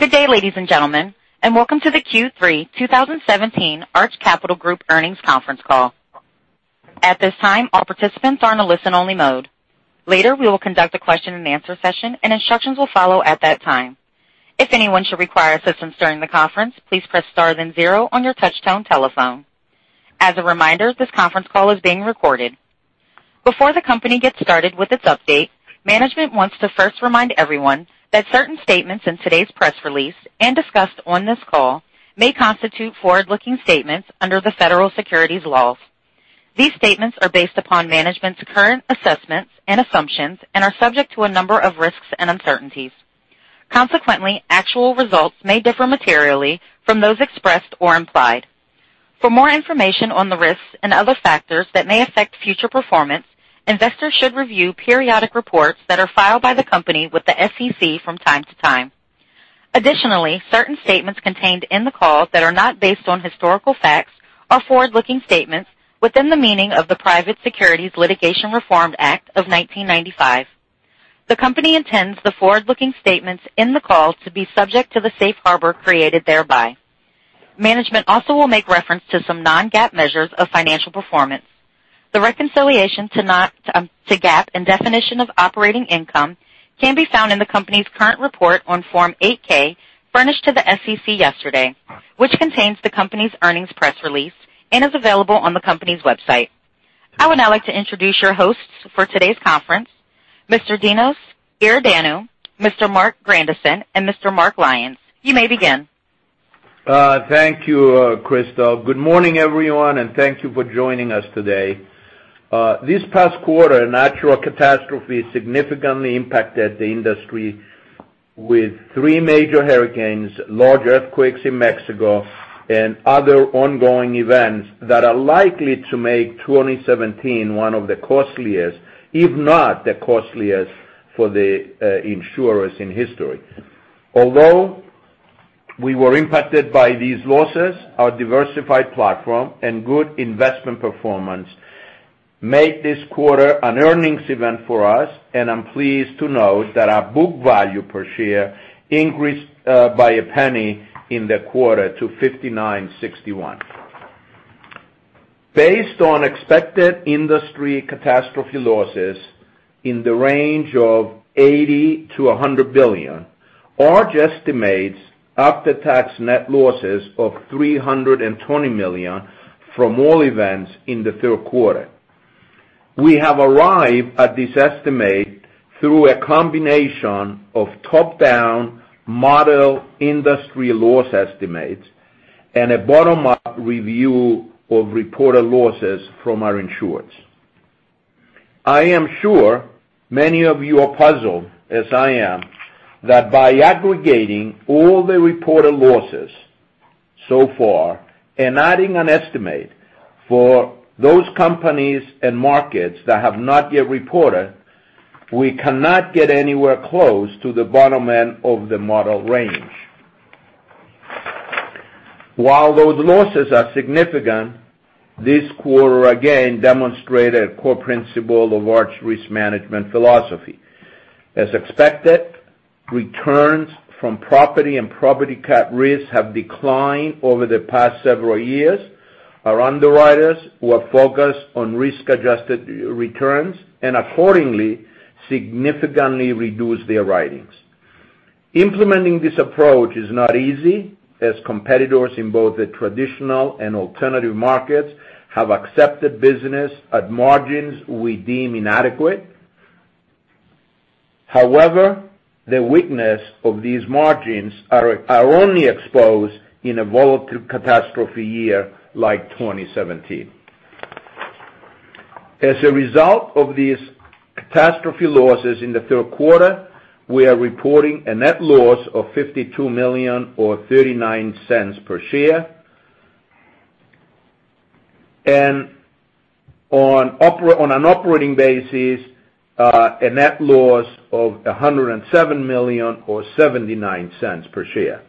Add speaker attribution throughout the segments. Speaker 1: Good day, ladies and gentlemen, and welcome to the Q3 2017 Arch Capital Group earnings conference call. At this time, all participants are in a listen-only mode. Later, we will conduct a question and answer session, and instructions will follow at that time. If anyone should require assistance during the conference, please press star then zero on your touchtone telephone. As a reminder, this conference call is being recorded. Before the company gets started with its update, management wants to first remind everyone that certain statements in today's press release and discussed on this call may constitute forward-looking statements under the federal securities laws. These statements are based upon management's current assessments and assumptions and are subject to a number of risks and uncertainties. Consequently, actual results may differ materially from those expressed or implied. For more information on the risks and other factors that may affect future performance, investors should review periodic reports that are filed by the company with the SEC from time to time. Additionally, certain statements contained in the call that are not based on historical facts are forward-looking statements within the meaning of the Private Securities Litigation Reform Act of 1995. The company intends the forward-looking statements in the call to be subject to the safe harbor created thereby. Management also will make reference to some non-GAAP measures of financial performance. The reconciliation to GAAP and definition of operating income can be found in the company's current report on Form 8-K furnished to the SEC yesterday, which contains the company's earnings press release and is available on the company's website. I would now like to introduce your hosts for today's conference. Mr. Dinos Iordanou, Mr. Marc Grandisson, and Mr. Mark Lyons. You may begin.
Speaker 2: Thank you, Crystal. Good morning, everyone, and thank you for joining us today. This past quarter, natural catastrophe significantly impacted the industry with three major hurricanes, large earthquakes in Mexico, and other ongoing events that are likely to make 2017 one of the costliest, if not the costliest for the insurers in history. Although we were impacted by these losses, our diversified platform and good investment performance made this quarter an earnings event for us, and I'm pleased to note that our book value per share increased by a penny in the quarter to $59.61. Based on expected industry catastrophe losses in the range of $80 billion-$100 billion, Arch estimates after-tax net losses of $320 million from all events in the third quarter. We have arrived at this estimate through a combination of top-down model industry loss estimates and a bottom-up review of reported losses from our insureds. I am sure many of you are puzzled, as I am, that by aggregating all the reported losses so far and adding an estimate for those companies and markets that have not yet reported, we cannot get anywhere close to the bottom end of the model range. While those losses are significant, this quarter again demonstrated a core principle of Arch's risk management philosophy. As expected, returns from property and property cat risks have declined over the past several years. Our underwriters were focused on risk-adjusted returns and accordingly significantly reduced their writings. Implementing this approach is not easy, as competitors in both the traditional and alternative markets have accepted business at margins we deem inadequate. However, the weakness of these margins are only exposed in a volatile catastrophe year like 2017. As a result of these catastrophe losses in the third quarter, we are reporting a net loss of $52 million or $0.39 per share. On an operating basis, a net loss of $107 million or $0.79 per share.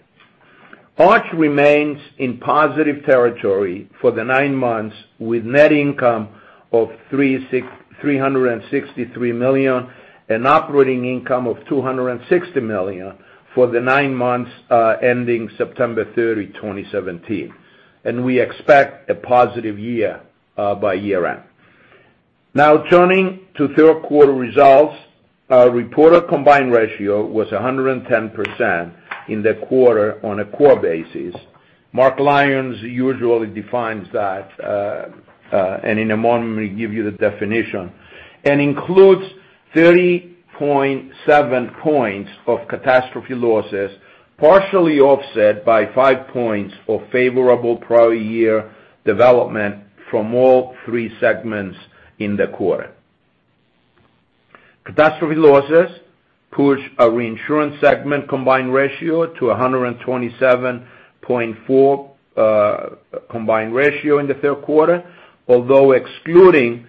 Speaker 2: Arch remains in positive territory for the nine months with net income of $363 million and operating income of $260 million for the nine months ending September 30, 2017, and we expect a positive year by year-end. Turning to third quarter results. Our reported combined ratio was 110% in the quarter on a core basis. Mark Lyons usually defines that, and in a moment, he'll give you the definition, and includes 30.7 points of catastrophe losses, partially offset by five points of favorable prior year development from all three segments in the quarter. Catastrophe losses pushed our reinsurance segment combined ratio to 127.4 combined ratio in the third quarter. Although excluding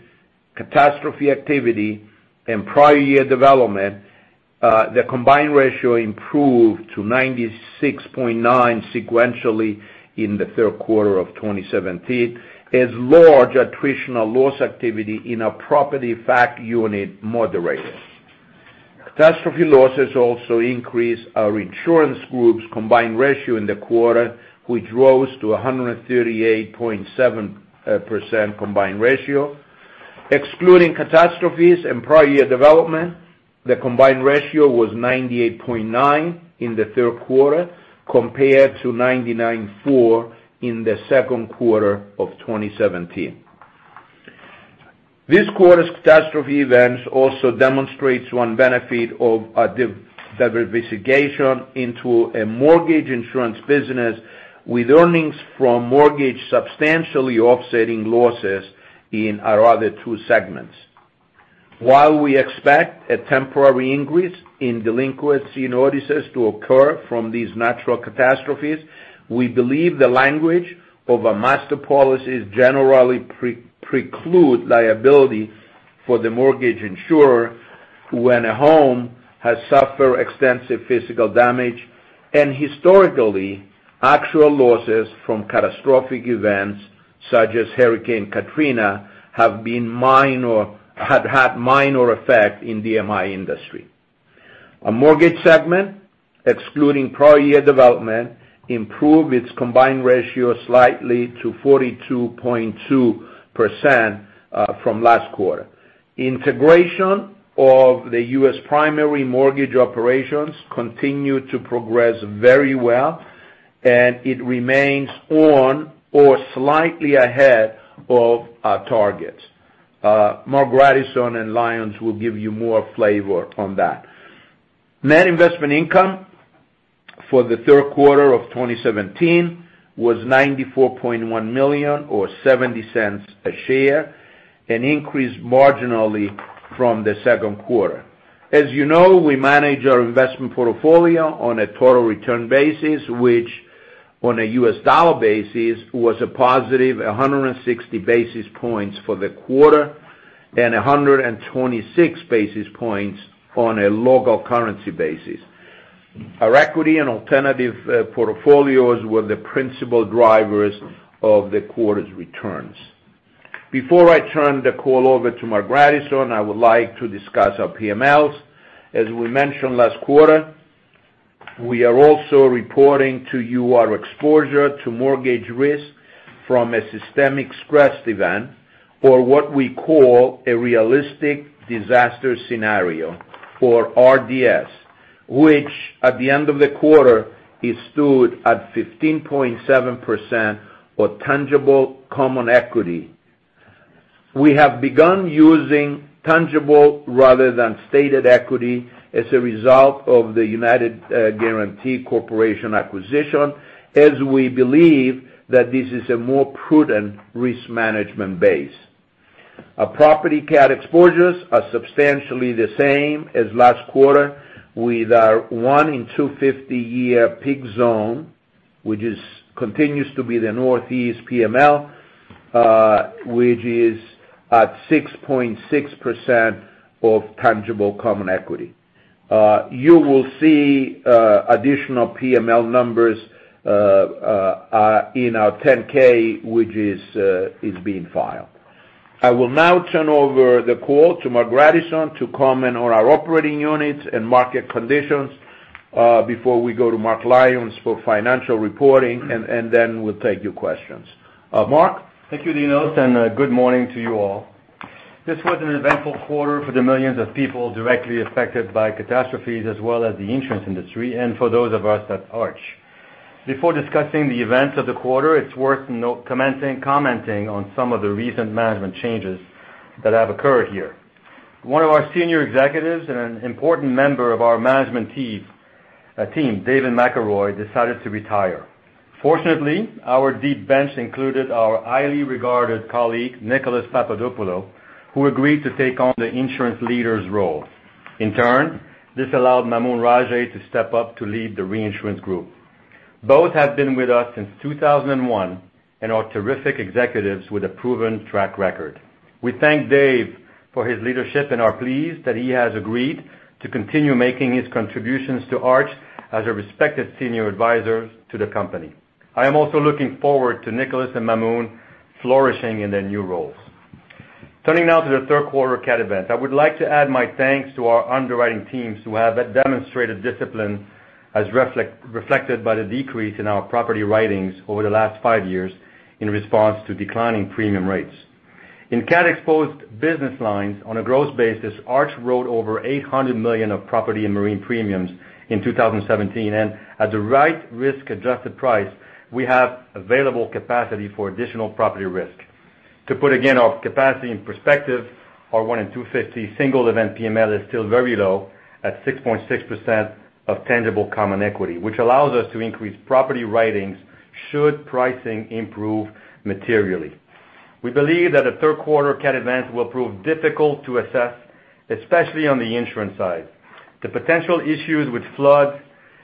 Speaker 2: catastrophe activity and prior year development, the combined ratio improved to 96.9 sequentially in the third quarter of 2017 as large attritional loss activity in our property unit moderated. Catastrophe losses also increased our reinsurance group's combined ratio in the quarter, which rose to 138.7% combined ratio. Excluding catastrophes and prior year development, the combined ratio was 98.9 in the third quarter compared to 99.4 in the second quarter of 2017. This quarter's catastrophe events also demonstrates one benefit of a diversification into a mortgage insurance business with earnings from mortgage substantially offsetting losses in our other two segments. While we expect a temporary increase in delinquency notices to occur from these natural catastrophes, we believe the language of a master policy generally preclude liability for the mortgage insurer when a home has suffered extensive physical damage, and historically, actual losses from catastrophic events such as Hurricane Katrina have had minor effect in the MI industry. Our mortgage segment, excluding prior year development, improved its combined ratio slightly to 42.2% from last quarter. Integration of the U.S. primary mortgage operations continued to progress very well and it remains on or slightly ahead of our targets. Marc Grandisson and Lyons will give you more flavor on that. Net investment income for the third quarter of 2017 was $94.1 million or $0.70 a share, increased marginally from the second quarter. As you know, we manage our investment portfolio on a U.S. dollar basis, which on a U.S. dollar basis, was a positive 160 basis points for the quarter and 126 basis points on a local currency basis. Our equity and alternative portfolios were the principal drivers of the quarter's returns. Before I turn the call over to Marc Grandisson, I would like to discuss our PMLs. As we mentioned last quarter, we are also reporting to you our exposure to mortgage risk from a systemic stress event, or what we call a realistic disaster scenario, or RDS, which at the end of the quarter stood at 15.7% of tangible common equity. We have begun using tangible rather than stated equity as a result of the United Guaranty Corporation acquisition, as we believe that this is a more prudent risk management base. Our property cat exposures are substantially the same as last quarter with our one in 250 year peak zone, which continues to be the Northeast PML, which is at 6.6% of tangible common equity. You will see additional PML numbers in our 10-K which is being filed. I will now turn over the call to Marc Grandisson to comment on our operating units and market conditions before we go to Mark Lyons for financial reporting. Then we'll take your questions. Marc?
Speaker 3: Thank you, Dinos. Good morning to you all. This was an eventful quarter for the millions of people directly affected by catastrophes as well as the insurance industry and for those of us at Arch. Before discussing the events of the quarter, it's worth commenting on some of the recent management changes that have occurred here. One of our senior executives and an important member of our management team, David McElroy, decided to retire. Fortunately, our deep bench included our highly regarded colleague, Nicolas Papadopoulo, who agreed to take on the insurance leader's role. In turn, this allowed Maamoun Rajeh to step up to lead the reinsurance group. Both have been with us since 2001 and are terrific executives with a proven track record. We thank Dave for his leadership and are pleased that he has agreed to continue making his contributions to Arch as a respected senior advisor to the company. I am also looking forward to Nicolas and Maamoun flourishing in their new roles. Turning now to the third quarter cat event, I would like to add my thanks to our underwriting teams who have demonstrated discipline as reflected by the decrease in our property writings over the last five years in response to declining premium rates. In cat-exposed business lines on a gross basis, Arch wrote over $800 million of property and marine premiums in 2017. At the right risk-adjusted price, we have available capacity for additional property risk. To put again our capacity in perspective, our one in 250 single event PML is still very low at 6.6% of tangible common equity, which allows us to increase property writings should pricing improve materially. We believe that the third quarter cat event will prove difficult to assess, especially on the insurance side. The potential issues with flood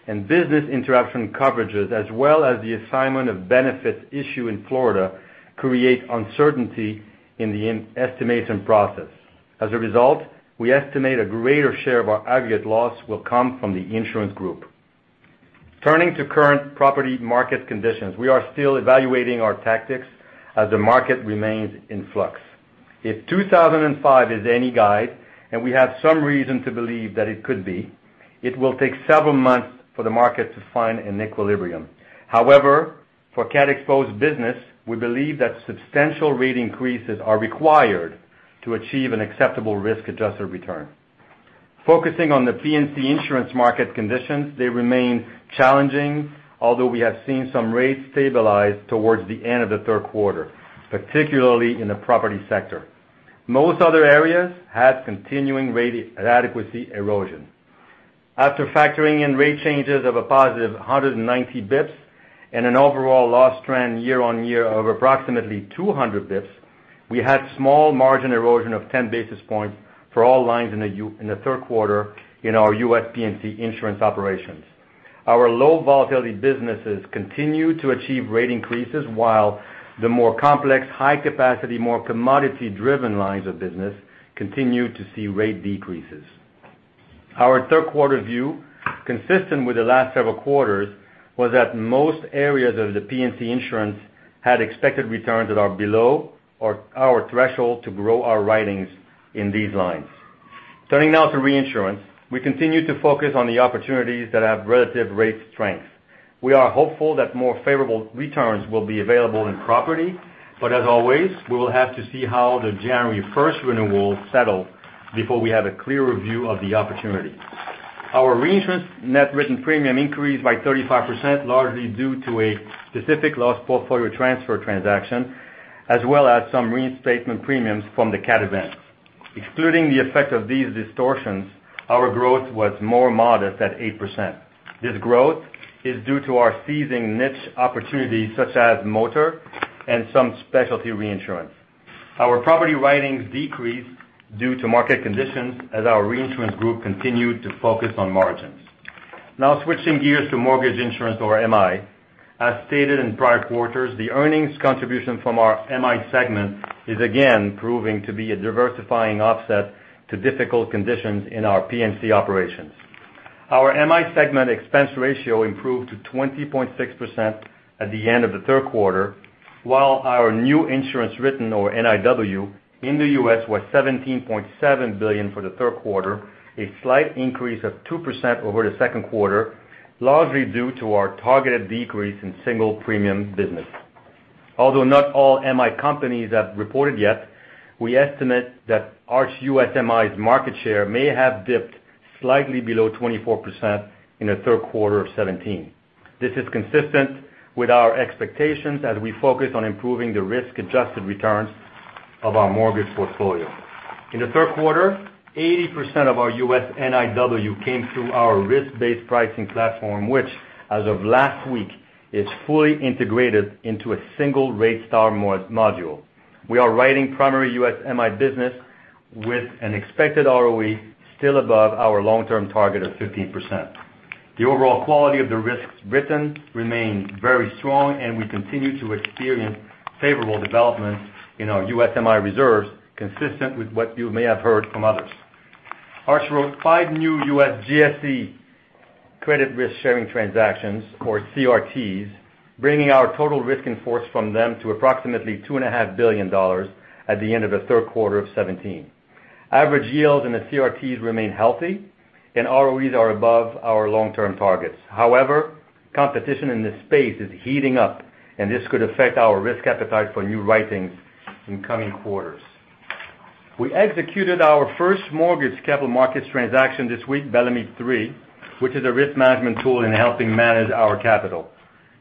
Speaker 3: and business interruption coverages as well as the assignment of benefits issue in Florida create uncertainty in the estimation process. As a result, we estimate a greater share of our aggregate loss will come from the insurance group. Turning to current property market conditions, we are still evaluating our tactics as the market remains in flux. If 2005 is any guide, and we have some reason to believe that it could be, it will take several months for the market to find an equilibrium. For cat exposed business, we believe that substantial rate increases are required to achieve an acceptable risk-adjusted return. Focusing on the P&C insurance market conditions, they remain challenging, although we have seen some rates stabilize towards the end of the third quarter, particularly in the property sector. Most other areas had continuing rate adequacy erosion. After factoring in rate changes of a positive 190 basis points and an overall loss trend year-on-year of approximately 200 basis points, we had small margin erosion of 10 basis points for all lines in the third quarter in our U.S. P&C insurance operations. Our low volatility businesses continue to achieve rate increases while the more complex, high capacity, more commodity-driven lines of business continue to see rate decreases. Our third quarter view, consistent with the last several quarters, was that most areas of the P&C insurance had expected returns that are below our threshold to grow our writings in these lines. Turning now to reinsurance. We continue to focus on the opportunities that have relative rate strength. We are hopeful that more favorable returns will be available in property, but as always, we will have to see how the January 1st renewals settle before we have a clearer view of the opportunity. Our reinsurance net written premium increased by 35%, largely due to a specific loss portfolio transfer transaction, as well as some reinstatement premiums from the cat events. Excluding the effect of these distortions, our growth was more modest at 8%. This growth is due to our seizing niche opportunities such as motor and some specialty reinsurance. Our property writings decreased due to market conditions as our reinsurance group continued to focus on margins. Now switching gears to mortgage insurance or MI. As stated in prior quarters, the earnings contribution from our MI segment is again proving to be a diversifying offset to difficult conditions in our P&C operations. Our MI segment expense ratio improved to 20.6% at the end of the third quarter while our new insurance written or NIW in the U.S. was $17.7 billion for the third quarter, a slight increase of 2% over the second quarter, largely due to our targeted decrease in single premium business. Although not all MI companies have reported yet, we estimate that Arch U.S. MI's market share may have dipped slightly below 24% in the third quarter of 2017. This is consistent with our expectations as we focus on improving the risk-adjusted returns of our mortgage portfolio. In the third quarter, 80% of our U.S. NIW came through our risk-based pricing platform, which as of last week, is fully integrated into a single RateStar module. We are writing primary U.S. MI business with an expected ROE still above our long-term target of 15%. The overall quality of the risks written remains very strong, and we continue to experience favorable developments in our U.S. MI reserves, consistent with what you may have heard from others. Arch wrote five new U.S. GSE Credit Risk Transfers, or CRTs, bringing our total risk in force from them to approximately $2.5 billion at the end of the third quarter of 2017. Average yields in the CRTs remain healthy, and ROEs are above our long-term targets. Competition in this space is heating up, and this could affect our risk appetite for new writings in coming quarters. We executed our first mortgage capital markets transaction this week, Bellemeade 3, which is a risk management tool in helping manage our capital.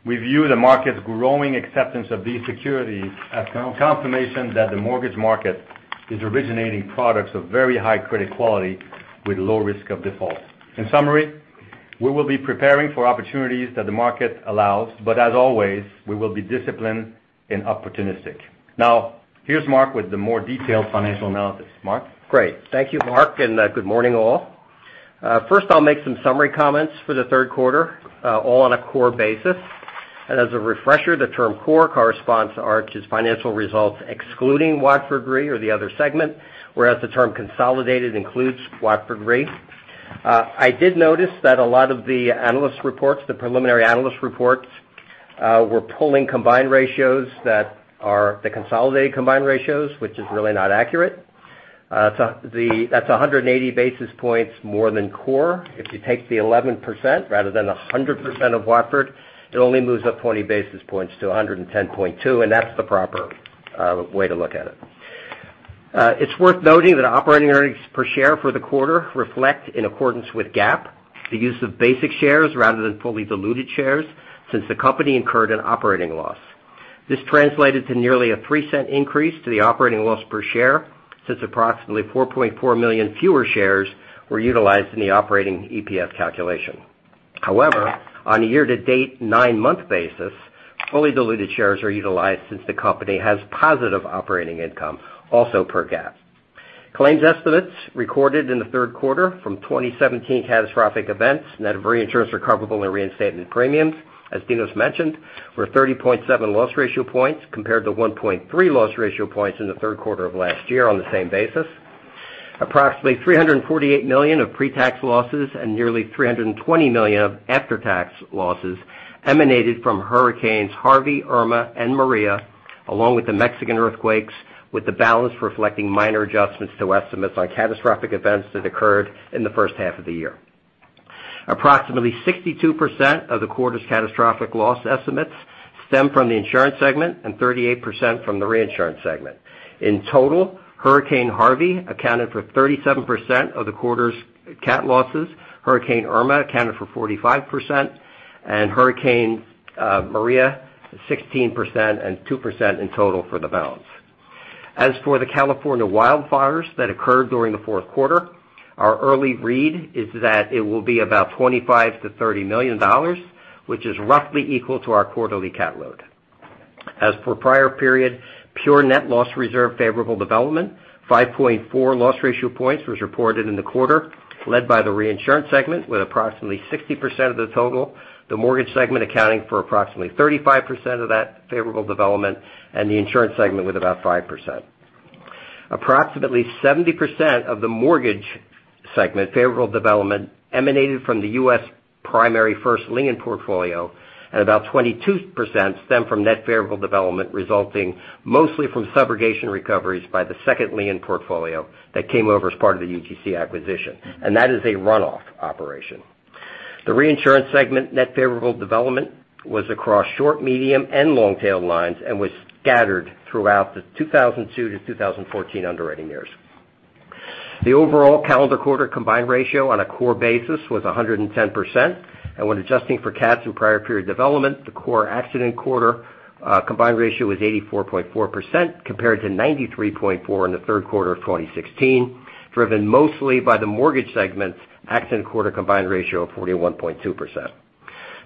Speaker 3: We view the market's growing acceptance of these securities as confirmation that the mortgage market is originating products of very high credit quality with low risk of default. We will be preparing for opportunities that the market allows, but as always, we will be disciplined and opportunistic. Here's Mark with the more detailed financial analysis. Mark?
Speaker 4: Great. Thank you, Mark, and good morning all. I'll make some summary comments for the third quarter, all on a core basis. As a refresher, the term core corresponds to Arch's financial results excluding Watford Re or the other segment, whereas the term consolidated includes Watford Re. I did notice that a lot of the analyst reports, the preliminary analyst reports, were pulling combined ratios that are the consolidated combined ratios, which is really not accurate. That's 180 basis points more than core. If you take the 11% rather than 100% of Watford, it only moves up 20 basis points to 110.2, and that's the proper way to look at it. It's worth noting that operating earnings per share for the quarter reflect, in accordance with GAAP, the use of basic shares rather than fully diluted shares since the company incurred an operating loss. This translated to nearly a $0.03 increase to the operating loss per share, since approximately 4.4 million fewer shares were utilized in the operating EPS calculation. On a year-to-date nine-month basis, fully diluted shares are utilized since the company has positive operating income, also per GAAP. Claims estimates recorded in the third quarter from 2017 catastrophic events net of reinsurance recoverable and reinstated premiums, as Dinos mentioned, were 30.7 loss ratio points compared to 1.3 loss ratio points in the third quarter of last year on the same basis. Approximately $348 million of pre-tax losses and nearly $320 million of after-tax losses emanated from hurricanes Harvey, Irma, and Maria, along with the Mexican earthquakes, with the balance reflecting minor adjustments to estimates on catastrophic events that occurred in the first half of the year. Approximately 62% of the quarter's catastrophic loss estimates stem from the insurance segment and 38% from the reinsurance segment. In total, Hurricane Harvey accounted for 37% of the quarter's cat losses, Hurricane Irma accounted for 45%, and Hurricane Maria 16%, and 2% in total for the balance. As for the California wildfires that occurred during the fourth quarter, our early read is that it will be about $25 million to $30 million, which is roughly equal to our quarterly cat load. As for prior period, pure net loss reserve favorable development, 5.4 loss ratio points was reported in the quarter, led by the reinsurance segment with approximately 60% of the total, the mortgage segment accounting for approximately 35% of that favorable development, and the insurance segment with about 5%. Approximately 70% of the mortgage segment favorable development emanated from the U.S. primary first lien portfolio. About 22% stemmed from net favorable development, resulting mostly from subrogation recoveries by the second lien portfolio that came over as part of the UGC acquisition, and that is a runoff operation. The reinsurance segment net favorable development was across short, medium, and long tail lines and was scattered throughout the 2002 to 2014 underwriting years. The overall calendar quarter combined ratio on a core basis was 110%. When adjusting for cats and prior period development, the core accident quarter combined ratio was 84.4% compared to 93.4% in the third quarter of 2016, driven mostly by the mortgage segment's accident quarter combined ratio of 41.2%.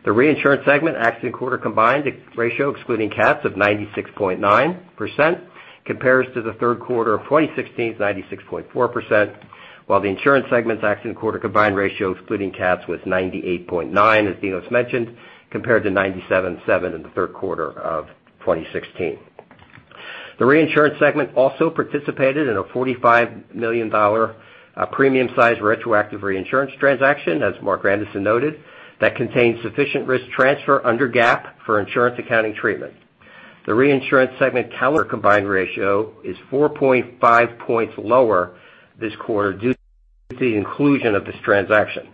Speaker 4: The reinsurance segment accident quarter combined ratio excluding cats of 96.9% compares to the third quarter of 2016's 96.4%, while the insurance segment's accident quarter combined ratio excluding cats was 98.9%, as Dinos mentioned, compared to 97.7% in the third quarter of 2016. The reinsurance segment also participated in a $45 million premium-sized retroactive reinsurance transaction, as Marc Grandisson noted, that contained sufficient risk transfer under GAAP for insurance accounting treatment. The reinsurance segment calendar combined ratio is 4.5 points lower this quarter due to the inclusion of this transaction.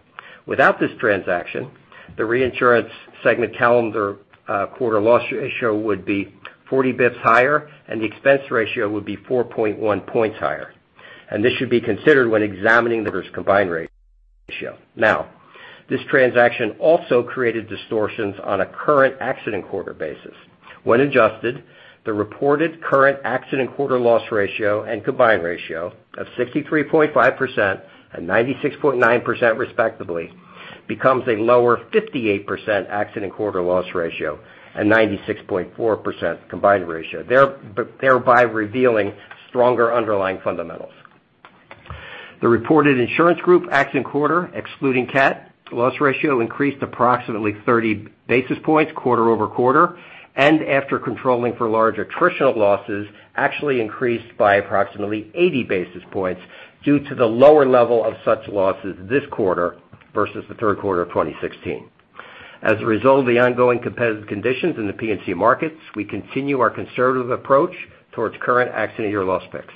Speaker 4: Without this transaction, the reinsurance segment calendar quarter loss ratio would be 40 basis points higher. The expense ratio would be 4.1 points higher. This should be considered when examining the versus combined ratio. Now, this transaction also created distortions on a current accident quarter basis. When adjusted, the reported current accident quarter loss ratio and combined ratio of 63.5% and 96.9%, respectively, becomes a lower 58% accident quarter loss ratio and 96.4% combined ratio, thereby revealing stronger underlying fundamentals. The reported insurance group accident quarter, excluding cat, loss ratio increased approximately 30 basis points quarter-over-quarter. After controlling for large attritional losses, actually increased by approximately 80 basis points due to the lower level of such losses this quarter versus the third quarter of 2016. As a result of the ongoing competitive conditions in the P&C markets, we continue our conservative approach towards current accident year loss picks.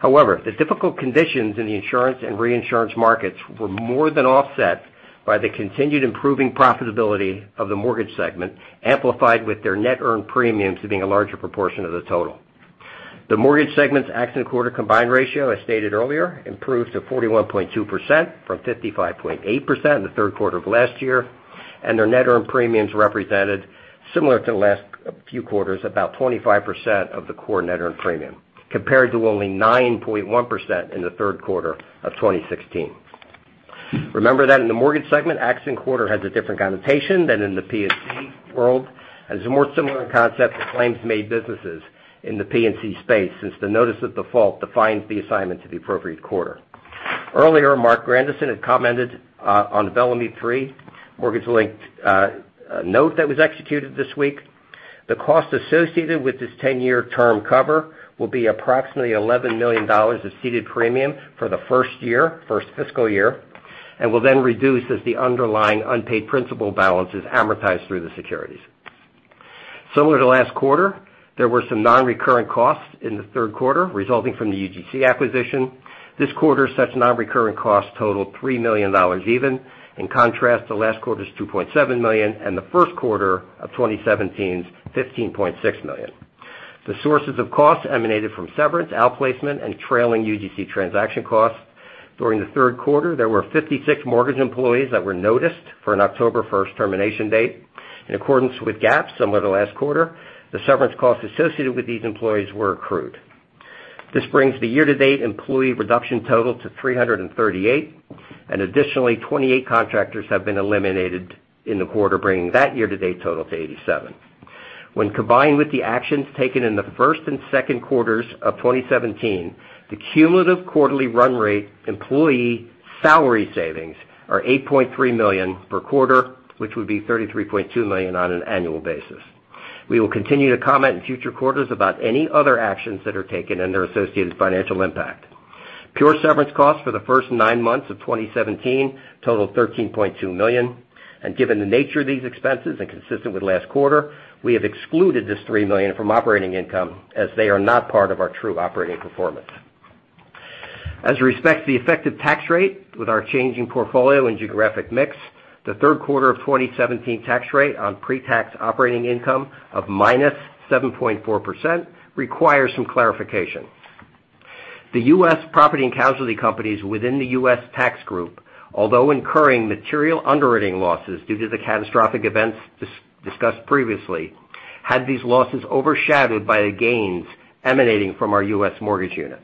Speaker 4: However, the difficult conditions in the insurance and reinsurance markets were more than offset by the continued improving profitability of the mortgage segment, amplified with their net earned premium to being a larger proportion of the total. The mortgage segment's accident quarter combined ratio, as stated earlier, improved to 41.2% from 55.8% in the third quarter of last year, and their net earned premiums represented similar to the last few quarters, about 25% of the core net earned premium, compared to only 9.1% in the third quarter of 2016. Remember that in the mortgage segment, accident quarter has a different connotation than in the P&C world, as a more similar concept to claims made businesses in the P&C space, since the notice of default defines the assignment to the appropriate quarter. Earlier, Marc Grandisson had commented on the Bellemeade 3 mortgage-linked note that was executed this week. The cost associated with this 10-year term cover will be approximately $11 million of ceded premium for the first year, first fiscal year, and will then reduce as the underlying unpaid principal balance is amortized through the securities. Similar to last quarter, there were some non-recurrent costs in the third quarter resulting from the UGC acquisition. This quarter, such non-recurrent costs totaled $3 million even. In contrast to last quarter's $2.7 million and the first quarter of 2017's $15.6 million. The sources of costs emanated from severance, outplacement, and trailing UGC transaction costs. During the third quarter, there were 56 mortgage employees that were noticed for an October 1st termination date. In accordance with GAAP, similar to last quarter, the severance costs associated with these employees were accrued. This brings the year-to-date employee reduction total to 338, and additionally, 28 contractors have been eliminated in the quarter, bringing that year-to-date total to 87. When combined with the actions taken in the first and second quarters of 2017, the cumulative quarterly run rate employee salary savings are $8.3 million per quarter, which would be $33.2 million on an annual basis. We will continue to comment in future quarters about any other actions that are taken and their associated financial impact. Pure severance costs for the first nine months of 2017 totaled $13.2 million, and given the nature of these expenses, and consistent with last quarter, we have excluded this $3 million from operating income as they are not part of our true operating performance. As we respect the effective tax rate with our changing portfolio and geographic mix, the third quarter of 2017 tax rate on pre-tax operating income of -7.4% requires some clarification. The US property and casualty companies within the US tax group, although incurring material underwriting losses due to the catastrophic events discussed previously, had these losses overshadowed by the gains emanating from our US mortgage unit.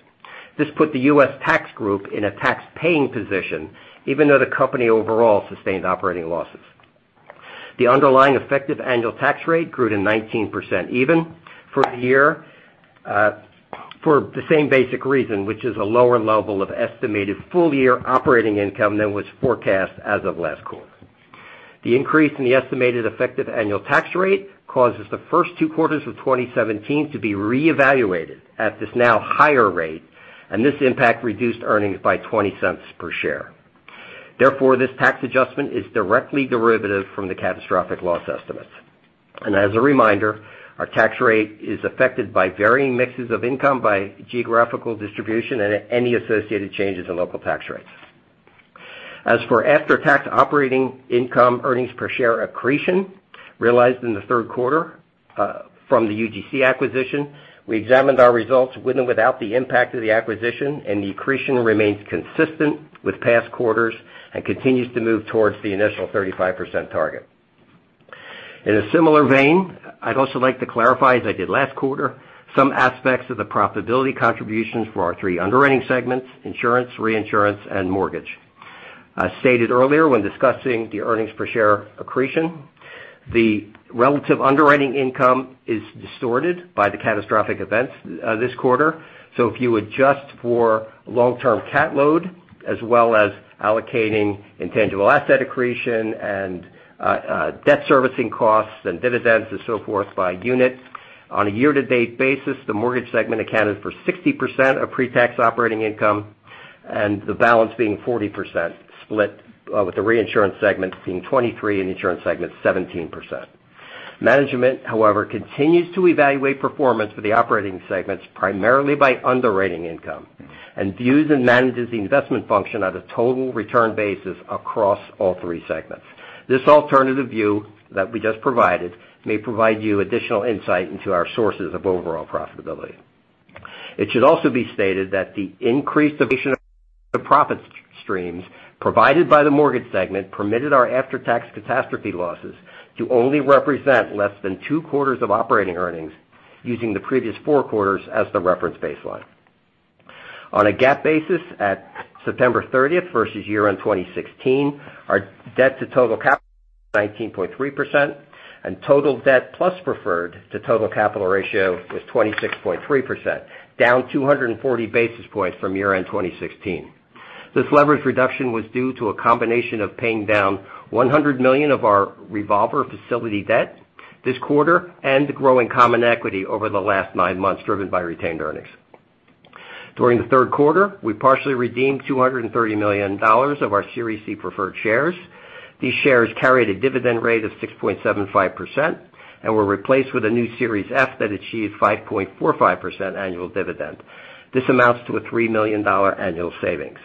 Speaker 4: This put the US tax group in a tax-paying position even though the company overall sustained operating losses. The underlying effective annual tax rate grew to 19% even for the year for the same basic reason, which is a lower level of estimated full-year operating income than was forecast as of last quarter. The increase in the estimated effective annual tax rate causes the first two quarters of 2017 to be reevaluated at this now higher rate, and this impact reduced earnings by $0.20 per share. Therefore, this tax adjustment is directly derivative from the catastrophic loss estimates. As a reminder, our tax rate is affected by varying mixes of income, by geographical distribution, and any associated changes in local tax rates. As for after-tax operating income earnings per share accretion realized in the third quarter from the UGC acquisition, we examined our results with and without the impact of the acquisition, and the accretion remains consistent with past quarters and continues to move towards the initial 35% target. In a similar vein, I'd also like to clarify, as I did last quarter, some aspects of the profitability contributions for our three underwriting segments: insurance, reinsurance, and mortgage. As stated earlier when discussing the earnings per share accretion, the relative underwriting income is distorted by the catastrophic events this quarter. If you adjust for long-term cat load, as well as allocating intangible asset accretion and debt servicing costs and dividends and so forth by units, on a year-to-date basis the mortgage segment accounted for 60% of pre-tax operating income, and the balance being 40% split, with the reinsurance segment seeing 23% and insurance segment 17%. Management, however, continues to evaluate performance for the operating segments primarily by underwriting income and views and manages the investment function on a total return basis across all three segments. This alternative view that we just provided may provide you additional insight into our sources of overall profitability. It should also be stated that the increased profit streams provided by the mortgage segment permitted our after-tax catastrophe losses to only represent less than two quarters of operating earnings using the previous four quarters as the reference baseline. On a GAAP basis at September 30th versus year-end 2016, our debt to total capital 19.3%, and total debt plus preferred to total capital ratio was 26.3%, down 240 basis points from year-end 2016. This leverage reduction was due to a combination of paying down $100 million of our revolver facility debt this quarter and the growing common equity over the last nine months driven by retained earnings. During the third quarter, we partially redeemed $230 million of our Series C preferred shares. These shares carried a dividend rate of 6.75% and were replaced with a new Series F that achieved 5.45% annual dividend. This amounts to a $3 million annual savings.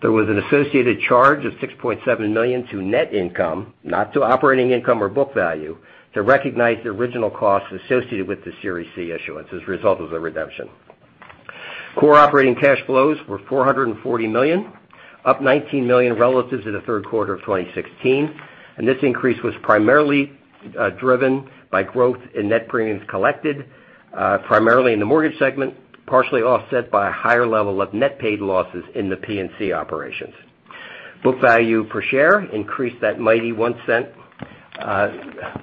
Speaker 4: There was an associated charge of $6.7 million to net income, not to operating income or book value, to recognize the original costs associated with the Series C issuance as a result of the redemption. Core operating cash flows were $440 million, up $19 million relative to the third quarter of 2016. This increase was primarily driven by growth in net premiums collected, primarily in the mortgage segment, partially offset by a higher level of net paid losses in the P&C operations. Book value per share increased that mighty $0.01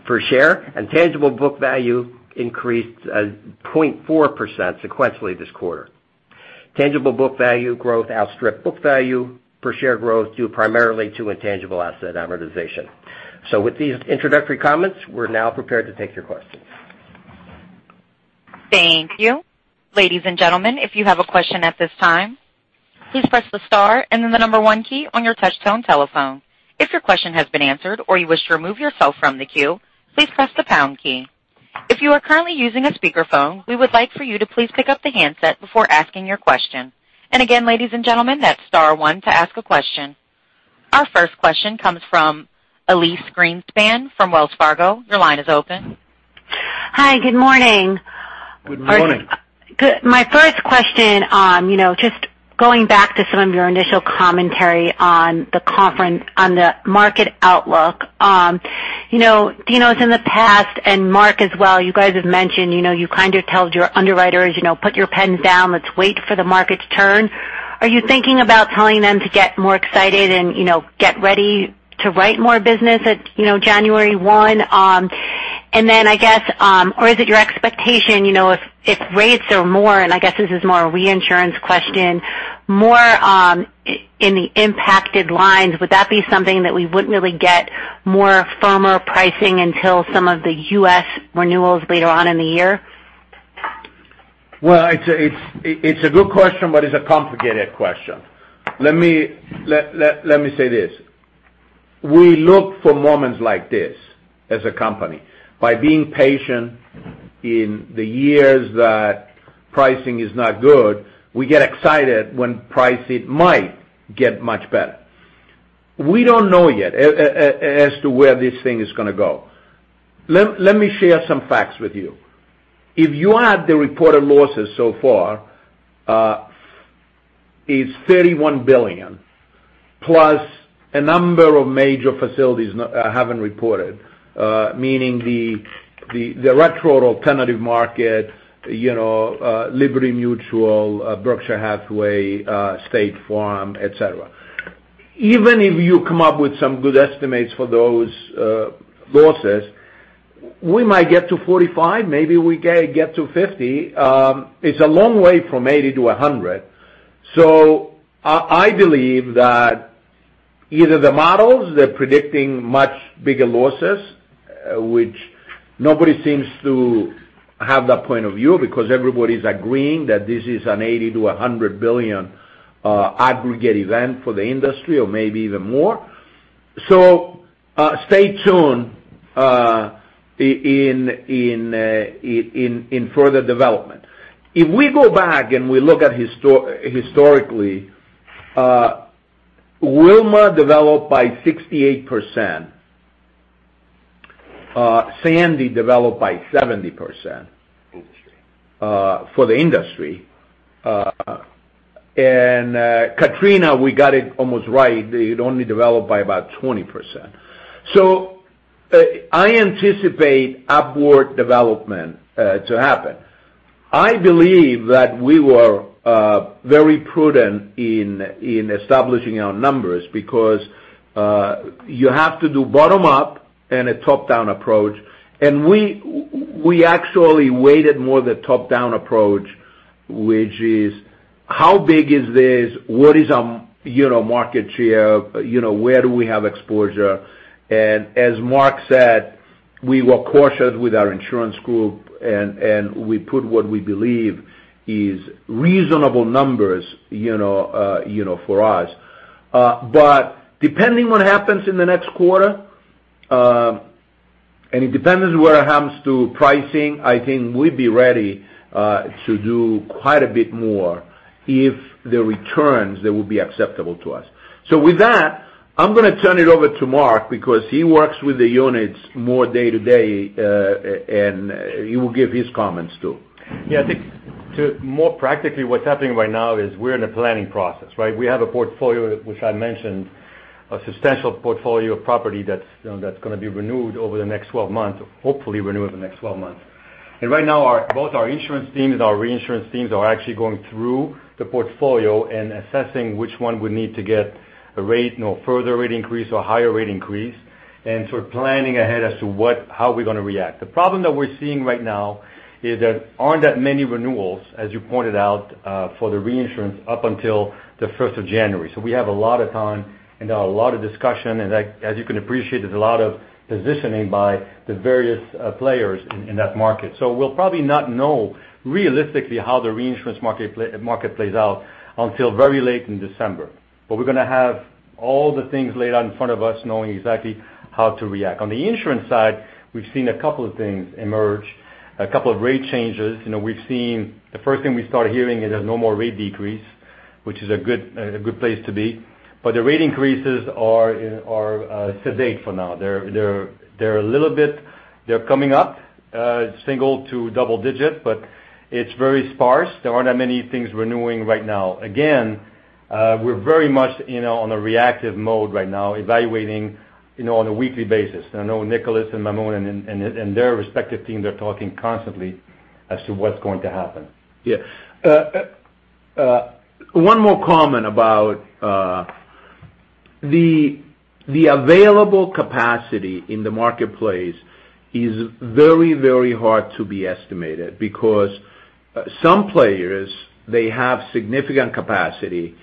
Speaker 4: per share, and tangible book value increased 0.4% sequentially this quarter. Tangible book value growth outstripped book value per share growth due primarily to intangible asset amortization. With these introductory comments, we're now prepared to take your questions.
Speaker 1: Thank you. Ladies and gentlemen, if you have a question at this time, please press the star and then the number 1 key on your touchtone telephone. If your question has been answered or you wish to remove yourself from the queue, please press the pound key. If you are currently using a speakerphone, we would like for you to please pick up the handset before asking your question. Again, ladies and gentlemen, that's star 1 to ask a question. Our first question comes from Elyse Greenspan from Wells Fargo. Your line is open.
Speaker 5: Hi, good morning.
Speaker 2: Good morning.
Speaker 5: My first question, just going back to some of your initial commentary on the conference on the market outlook. Dinos, it's in the past, and Marc as well, you guys have mentioned you kind of told your underwriters, "Put your pens down. Let's wait for the market to turn." Are you thinking about telling them to get more excited and get ready to write more business at January one? Or is it your expectation, if rates are more, and I guess this is more a reinsurance question More in the impacted lines. Would that be something that we wouldn't really get more firmer pricing until some of the U.S. renewals later on in the year?
Speaker 2: It's a good question, but it's a complicated question. Let me say this. We look for moments like this as a company. By being patient in the years that pricing is not good, we get excited when pricing might get much better. We don't know yet as to where this thing is going to go. Let me share some facts with you. If you add the reported losses so far, it's $31 billion plus a number of major facilities haven't reported, meaning the retro alternative market, Liberty Mutual, Berkshire Hathaway, State Farm, et cetera. Even if you come up with some good estimates for those losses, we might get to 45, maybe we get to 50. It's a long way from 80 to 100. I believe that either the models, they're predicting much bigger losses, which nobody seems to have that point of view, because everybody's agreeing that this is an $80 billion to $100 billion aggregate event for the industry, or maybe even more. Stay tuned in further development. If we go back and we look at historically, Wilma developed by 68%, Sandy developed by 70% for the industry, and Katrina, we got it almost right. It only developed by about 20%. I anticipate upward development to happen. I believe that we were very prudent in establishing our numbers because you have to do bottom-up and a top-down approach, and we actually weighted more the top-down approach, which is, how big is this? What is our market share? Where do we have exposure? As Mark said, we were cautious with our insurance group, and we put what we believe is reasonable numbers for us. Depending what happens in the next quarter, and it depends what happens to pricing, I think we'd be ready to do quite a bit more if the returns, they would be acceptable to us. With that, I'm going to turn it over to Mark because he works with the units more day to day, and he will give his comments, too.
Speaker 3: Yeah. I think more practically, what's happening right now is we're in a planning process, right? We have a portfolio, which I mentioned, a substantial portfolio of property that's going to be renewed over the next 12 months, hopefully renewed over the next 12 months. Right now, both our insurance teams and our reinsurance teams are actually going through the portfolio and assessing which one would need to get a further rate increase or a higher rate increase, and sort of planning ahead as to how we're going to react. The problem that we're seeing right now is there aren't that many renewals, as you pointed out, for the reinsurance up until the 1st of January. We have a lot of time and a lot of discussion, and as you can appreciate, there's a lot of positioning by the various players in that market. We'll probably not know realistically how the reinsurance market plays out until very late in December. We're going to have all the things laid out in front of us, knowing exactly how to react. On the insurance side, we've seen a couple of things emerge, a couple of rate changes. The first thing we started hearing is there's no more rate decrease, which is a good place to be. The rate increases are sedate for now. They're coming up, single to double digit, but it's very sparse. There aren't that many things renewing right now. Again, we're very much on a reactive mode right now, evaluating on a weekly basis. I know Nicholas and Maamoun and their respective teams are talking constantly as to what's going to happen.
Speaker 2: Yeah. One more comment about the available capacity in the marketplace is very hard to be estimated because some players, they have significant capacity,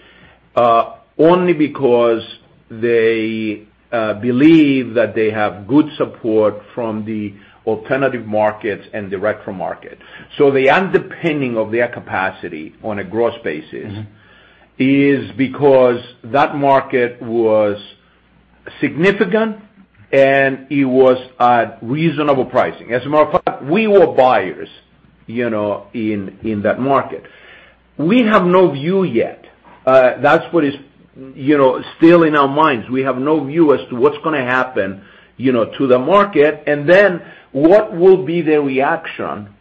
Speaker 2: only because they believe that they have good support from the alternative markets and the retro market. The underpinning of their capacity on a gross basis is because that market was significant, and it was at reasonable pricing. As a matter of fact, we were buyers in that market. We have no view yet. That's what is still in our minds. We have no view as to what's going to happen to the market, and what will be the reaction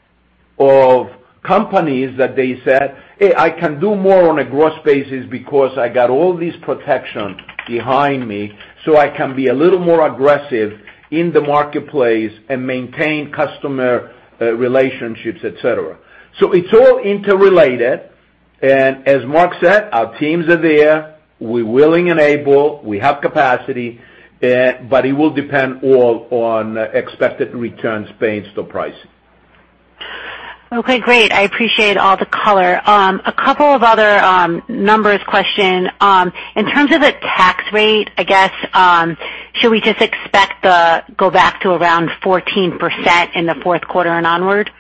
Speaker 2: of companies that they said, "Hey, I can do more on a gross basis because I got all this protection behind me, so I can be a little more aggressive in the marketplace and maintain customer relationships," et cetera. It's all interrelated, and as Mark said, our teams are there. We're willing and able. We have capacity, but it will depend all on expected returns based on pricing.
Speaker 5: Okay, great. I appreciate all the color. A couple of other numbers question. In terms of the tax rate, I guess, should we just expect the go back to around 14% in the fourth quarter and onward?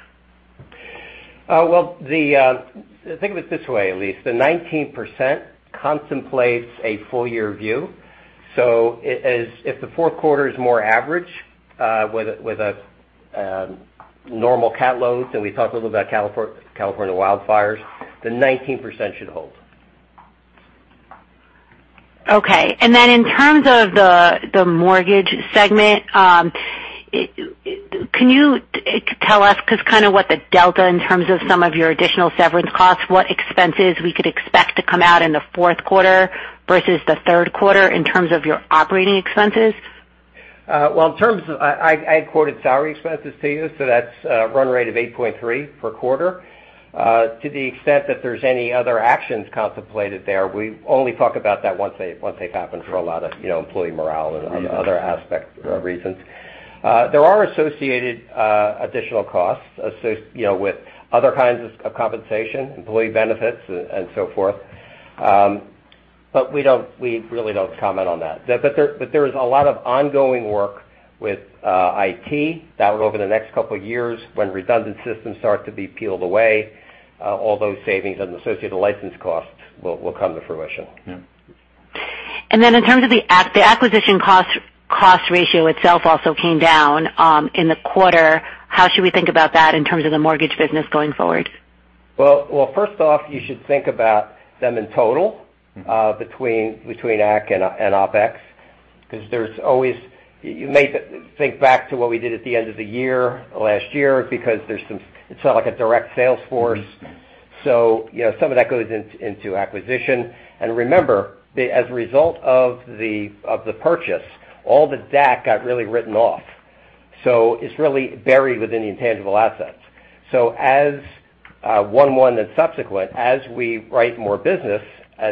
Speaker 4: Well, think of it this way, Elyse, the 19% contemplates a full year view. If the fourth quarter is more average with a normal cat loads, and we talked a little about California wildfires, the 19% should hold.
Speaker 5: Okay. In terms of the mortgage segment, can you tell us because kind of what the delta in terms of some of your additional severance costs, what expenses we could expect to come out in the fourth quarter versus the third quarter in terms of your operating expenses?
Speaker 4: Well, I quoted salary expenses to you, that's a run rate of 8.3 per quarter. To the extent that there's any other actions contemplated there, we only talk about that once they've happened for a lot of employee morale and other aspect reasons. There are associated additional costs associated with other kinds of compensation, employee benefits, and so forth. We really don't comment on that. There is a lot of ongoing work with IT that over the next couple of years, when redundant systems start to be peeled away, all those savings and associated license costs will come to fruition.
Speaker 5: In terms of the acquisition cost ratio itself also came down in the quarter. How should we think about that in terms of the mortgage business going forward?
Speaker 4: Well, first off, you should think about them in total between AC and OPEX, because you may think back to what we did at the end of the year, last year, because it's not like a direct sales force. Some of that goes into acquisition. Remember, as a result of the purchase, all the DAC got really written off. It's really buried within the intangible assets. As one and subsequent, as we write more business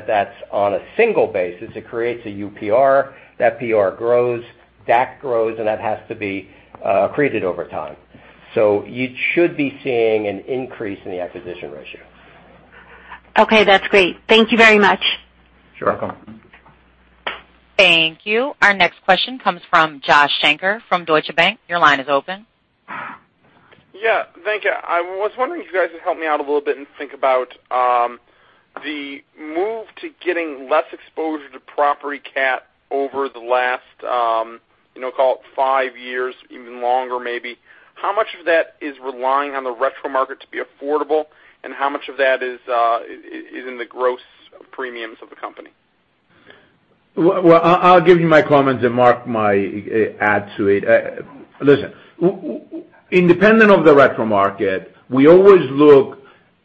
Speaker 4: that's on a single basis, it creates a UPR. That UPR grows, DAC grows, and that has to be accreted over time. You should be seeing an increase in the acquisition ratio.
Speaker 5: Okay, that's great. Thank you very much.
Speaker 4: Sure. Welcome.
Speaker 1: Thank you. Our next question comes from Joshua Shanker from Deutsche Bank. Your line is open.
Speaker 6: Yeah, thank you. I was wondering if you guys could help me out a little bit and think about the move to getting less exposure to property cat over the last call it 5 years, even longer, maybe. How much of that is relying on the retro market to be affordable, and how much of that is in the gross premiums of the company?
Speaker 2: Well, I'll give you my comments and Marc might add to it. Listen, independent of the retro market, we always look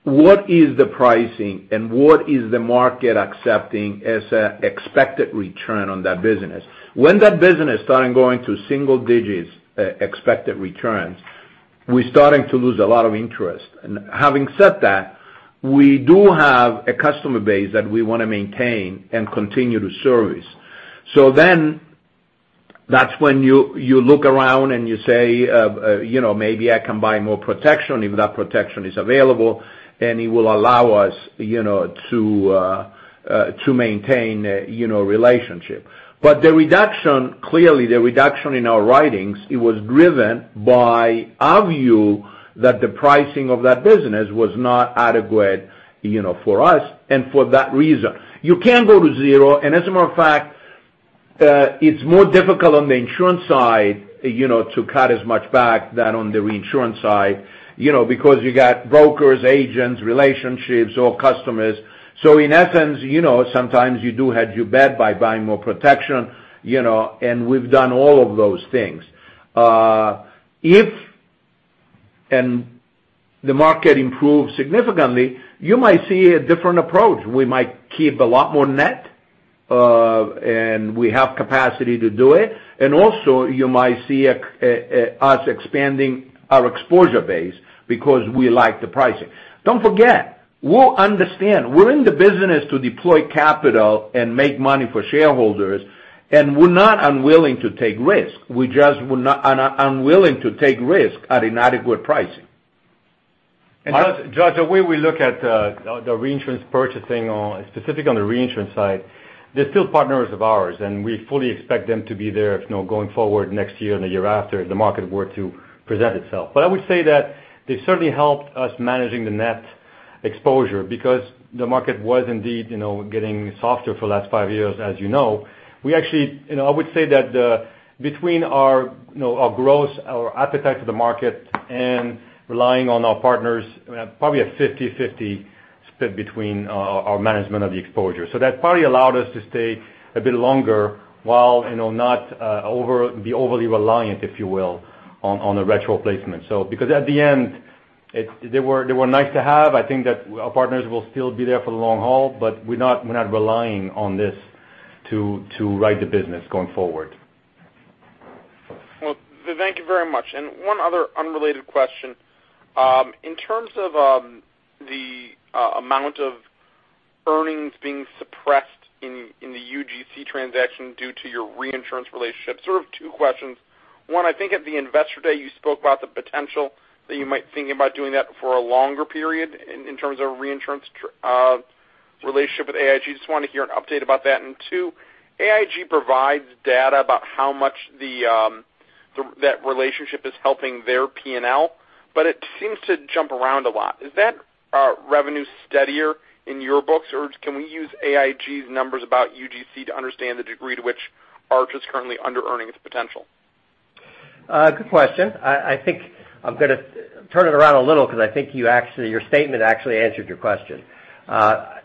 Speaker 2: what is the pricing and what is the market accepting as an expected return on that business. When that business start going to single-digits expected returns, we're starting to lose a lot of interest. Having said that, we do have a customer base that we want to maintain and continue to service. That's when you look around and you say, maybe I can buy more protection if that protection is available, and it will allow us to maintain relationship. The reduction, clearly the reduction in our writings, it was driven by our view that the pricing of that business was not adequate for us and for that reason. You can't go to zero, as a matter of fact, it's more difficult on the insurance side to cut as much back than on the reinsurance side because you got brokers, agents, relationships, or customers. In essence, sometimes you do hedge your bet by buying more protection, and we've done all of those things. If the market improves significantly, you might see a different approach. We might keep a lot more net, and we have capacity to do it. Also you might see us expanding our exposure base because we like the pricing. Don't forget, we'll understand. We're in the business to deploy capital and make money for shareholders, and we're not unwilling to take risk. We just were not unwilling to take risk at inadequate pricing. Josh, the way we look at the reinsurance purchasing on the reinsurance side, they're still partners of ours, and we fully expect them to be there going forward next year and the year after the market were to present itself. I would say that they certainly helped us managing the net exposure because the market was indeed getting softer for the last 5 years as you know. I would say that between our growth, our appetite to the market and relying on our partners, probably a 50/50 split between our management of the exposure. That probably allowed us to stay a bit longer while not be overly reliant, if you will, on the retro placement. Because at the end, they were nice to have. I think that our partners will still be there for the long haul, but we're not relying on this to ride the business going forward.
Speaker 6: Well, thank you very much. One other unrelated question. In terms of the amount of earnings being suppressed in the UGC transaction due to your reinsurance relationship. Sort of two questions. One, I think at the investor day, you spoke about the potential that you might think about doing that for a longer period in terms of a reinsurance relationship with AIG. I just want to hear an update about that. Two, AIG provides data about how much that relationship is helping their P&L, but it seems to jump around a lot. Is that revenue steadier in your books, or can we use AIG's numbers about UGC to understand the degree to which Arch is currently under-earning its potential?
Speaker 3: Good question. I think I'm going to turn it around a little because I think your statement actually answered your question.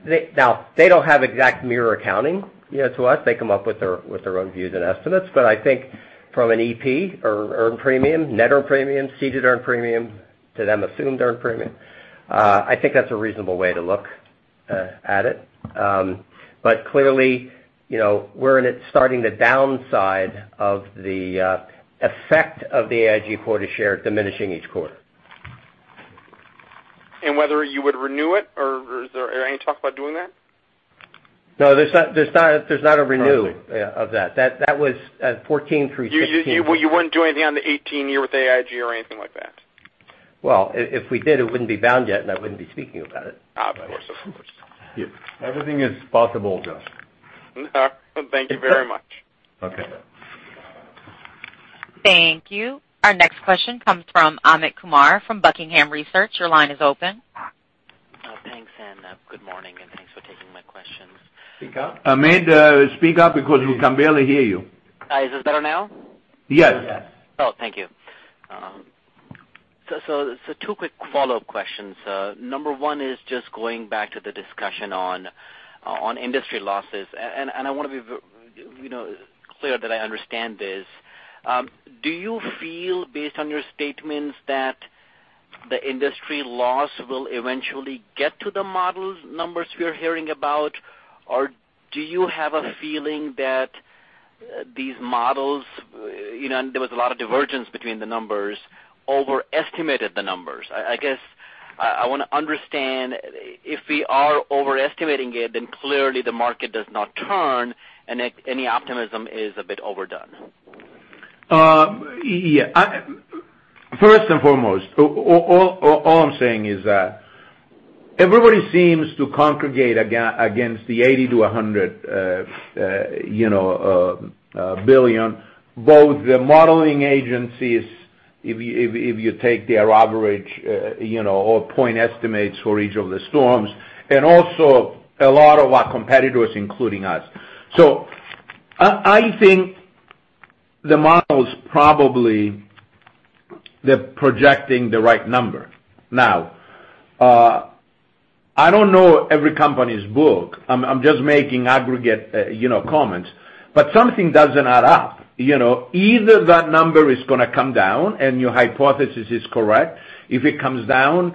Speaker 3: They don't have exact mirror accounting to us. They come up with their own views and estimates, but I think from an EP or earned premium, net earned premium, ceded earned premium to them assumed earned premium. I think that's a reasonable way to look at it. Clearly, we're in it starting the downside of the effect of the AIG quota share diminishing each quarter.
Speaker 6: Whether you would renew it, or is there any talk about doing that?
Speaker 3: No, there's not a renew of that. That was 2014 through 2016.
Speaker 6: You weren't doing anything on the 2018 year with AIG or anything like that?
Speaker 3: Well, if we did, it wouldn't be bound yet, and I wouldn't be speaking about it.
Speaker 6: Of course.
Speaker 2: Everything is possible, Josh.
Speaker 6: Thank you very much.
Speaker 3: Okay.
Speaker 1: Thank you. Our next question comes from Amit Kumar from Buckingham Research. Your line is open.
Speaker 7: Thanks, and good morning, and thanks for taking my questions.
Speaker 2: Amit, speak up because we can barely hear you.
Speaker 7: Is this better now?
Speaker 2: Yes.
Speaker 7: Oh, thank you. Two quick follow-up questions. Number 1 is just going back to the discussion on industry losses. I want to be clear that I understand this. Do you feel, based on your statements, that the industry loss will eventually get to the models numbers we're hearing about? Do you have a feeling that these models, and there was a lot of divergence between the numbers, overestimated the numbers? I guess I want to understand if we are overestimating it, clearly the market does not turn, and any optimism is a bit overdone.
Speaker 2: Yeah. First and foremost, all I'm saying is that everybody seems to congregate against the $80 billion-$100 billion, both the modeling agencies, if you take their average or point estimates for each of the storms, and also a lot of our competitors, including us. I think the models probably they're projecting the right number. I don't know every company's book. I'm just making aggregate comments. Something doesn't add up. Either that number is going to come down and your hypothesis is correct. If it comes down,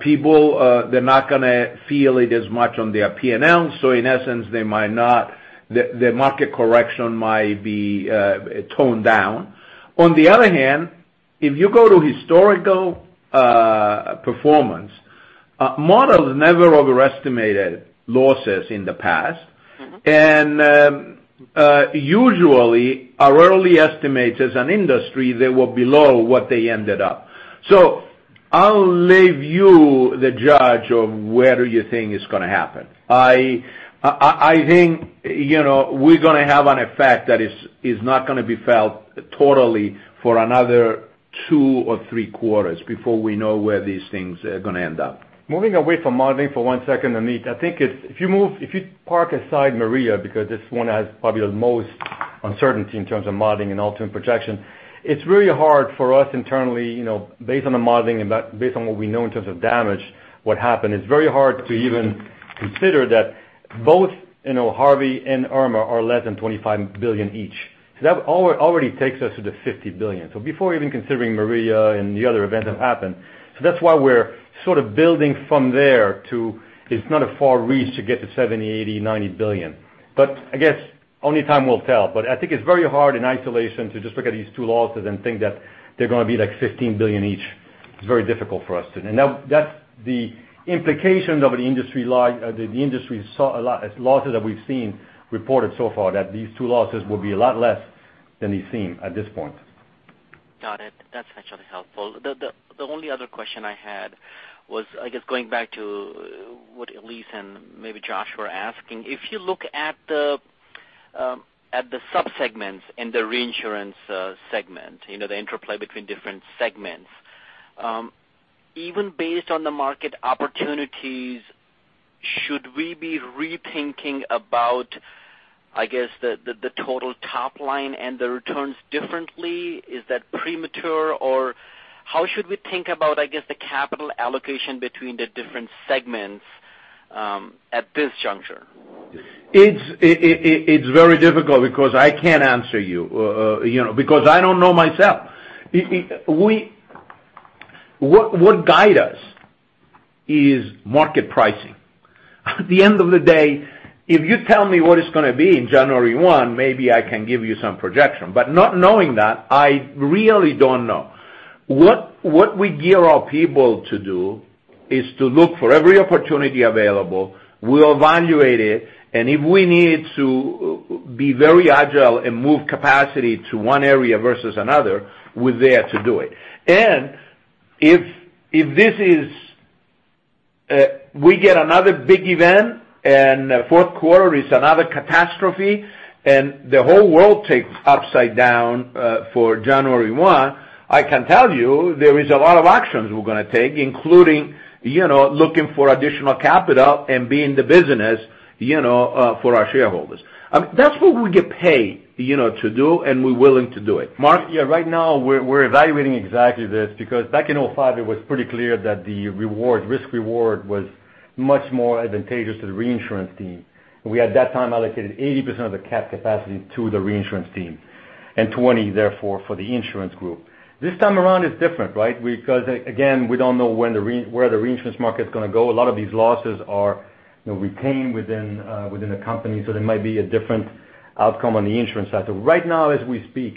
Speaker 2: people they're not going to feel it as much on their P&L, so in essence, the market correction might be toned down. If you go to historical performance, models never overestimated losses in the past. Usually, our early estimates as an industry, they were below what they ended up. I'll leave you the judge of whether you think it's going to happen. I think we're going to have an effect that is not going to be felt totally for another two or three quarters before we know where these things are going to end up.
Speaker 3: Moving away from modeling for one second, Amit, I think if you park aside Maria, because this one has probably the most uncertainty in terms of modeling and ultimate projection, it's really hard for us internally based on the modeling and based on what we know in terms of damage, what happened, it's very hard to even consider that both Harvey and Irma are less than $25 billion each. That already takes us to the $50 billion. Before even considering Maria and the other events that happened. That's why we're sort of building from there to, it's not a far reach to get to $70 billion, $80 billion, $90 billion. I guess only time will tell. I think it's very hard in isolation to just look at these two losses and think that they're going to be like $15 billion each. It's very difficult for us. That's the implications of the industry losses that we've seen reported so far, that these two losses will be a lot less than they seem at this point.
Speaker 7: Got it. That's actually helpful. The only other question I had was, I guess, going back to what Elyse and maybe Josh were asking. If you look at the sub-segments in the reinsurance segment, the interplay between different segments. Even based on the market opportunities, should we be rethinking about, I guess, the total top line and the returns differently? Is that premature, or how should we think about, I guess, the capital allocation between the different segments at this juncture?
Speaker 2: It's very difficult because I can't answer you because I don't know myself. What guide us is market pricing. At the end of the day, if you tell me what it's going to be on January 1, maybe I can give you some projection. Not knowing that, I really don't know. What we gear our people to do is to look for every opportunity available. We'll evaluate it, and if we need to be very agile and move capacity to one area versus another, we're there to do it. If we get another big event, and fourth quarter is another catastrophe, and the whole world turns upside down for January 1, I can tell you, there is a lot of actions we're going to take, including looking for additional capital and being the business for our shareholders. That's what we get paid to do, and we're willing to do it. Marc?
Speaker 3: Yeah, right now we're evaluating exactly this because back in 2005, it was pretty clear that the risk-reward was much more advantageous to the reinsurance team. We, at that time, allocated 80% of the cat capacity to the reinsurance team, and 20% therefore for the insurance group. This time around is different, right? Again, we don't know where the reinsurance market's going to go. A lot of these losses are retained within the company, so there might be a different outcome on the insurance side. Right now, as we speak,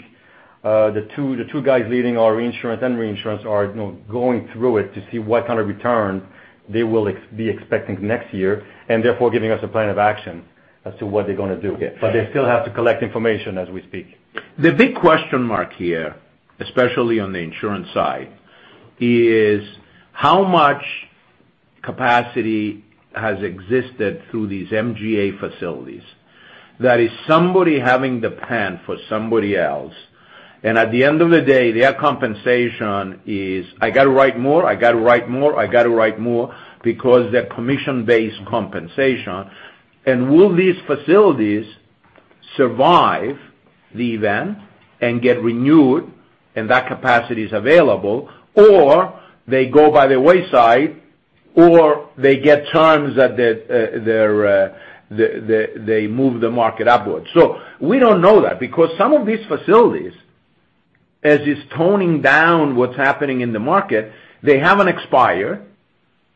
Speaker 3: the two guys leading our insurance and reinsurance are going through it to see what kind of return they will be expecting next year, and therefore giving us a plan of action as to what they're going to do.
Speaker 2: Okay.
Speaker 3: They still have to collect information as we speak.
Speaker 2: The big question mark here, especially on the insurance side, is how much capacity has existed through these MGA facilities. That is somebody having the pen for somebody else, and at the end of the day, their compensation is, I got to write more, I got to write more, I got to write more, because they're commission-based compensation. Will these facilities survive the event and get renewed, and that capacity is available, or they go by the wayside, or they get terms that they move the market upwards? We don't know that, because some of these facilities, as it's toning down what's happening in the market, they haven't expired,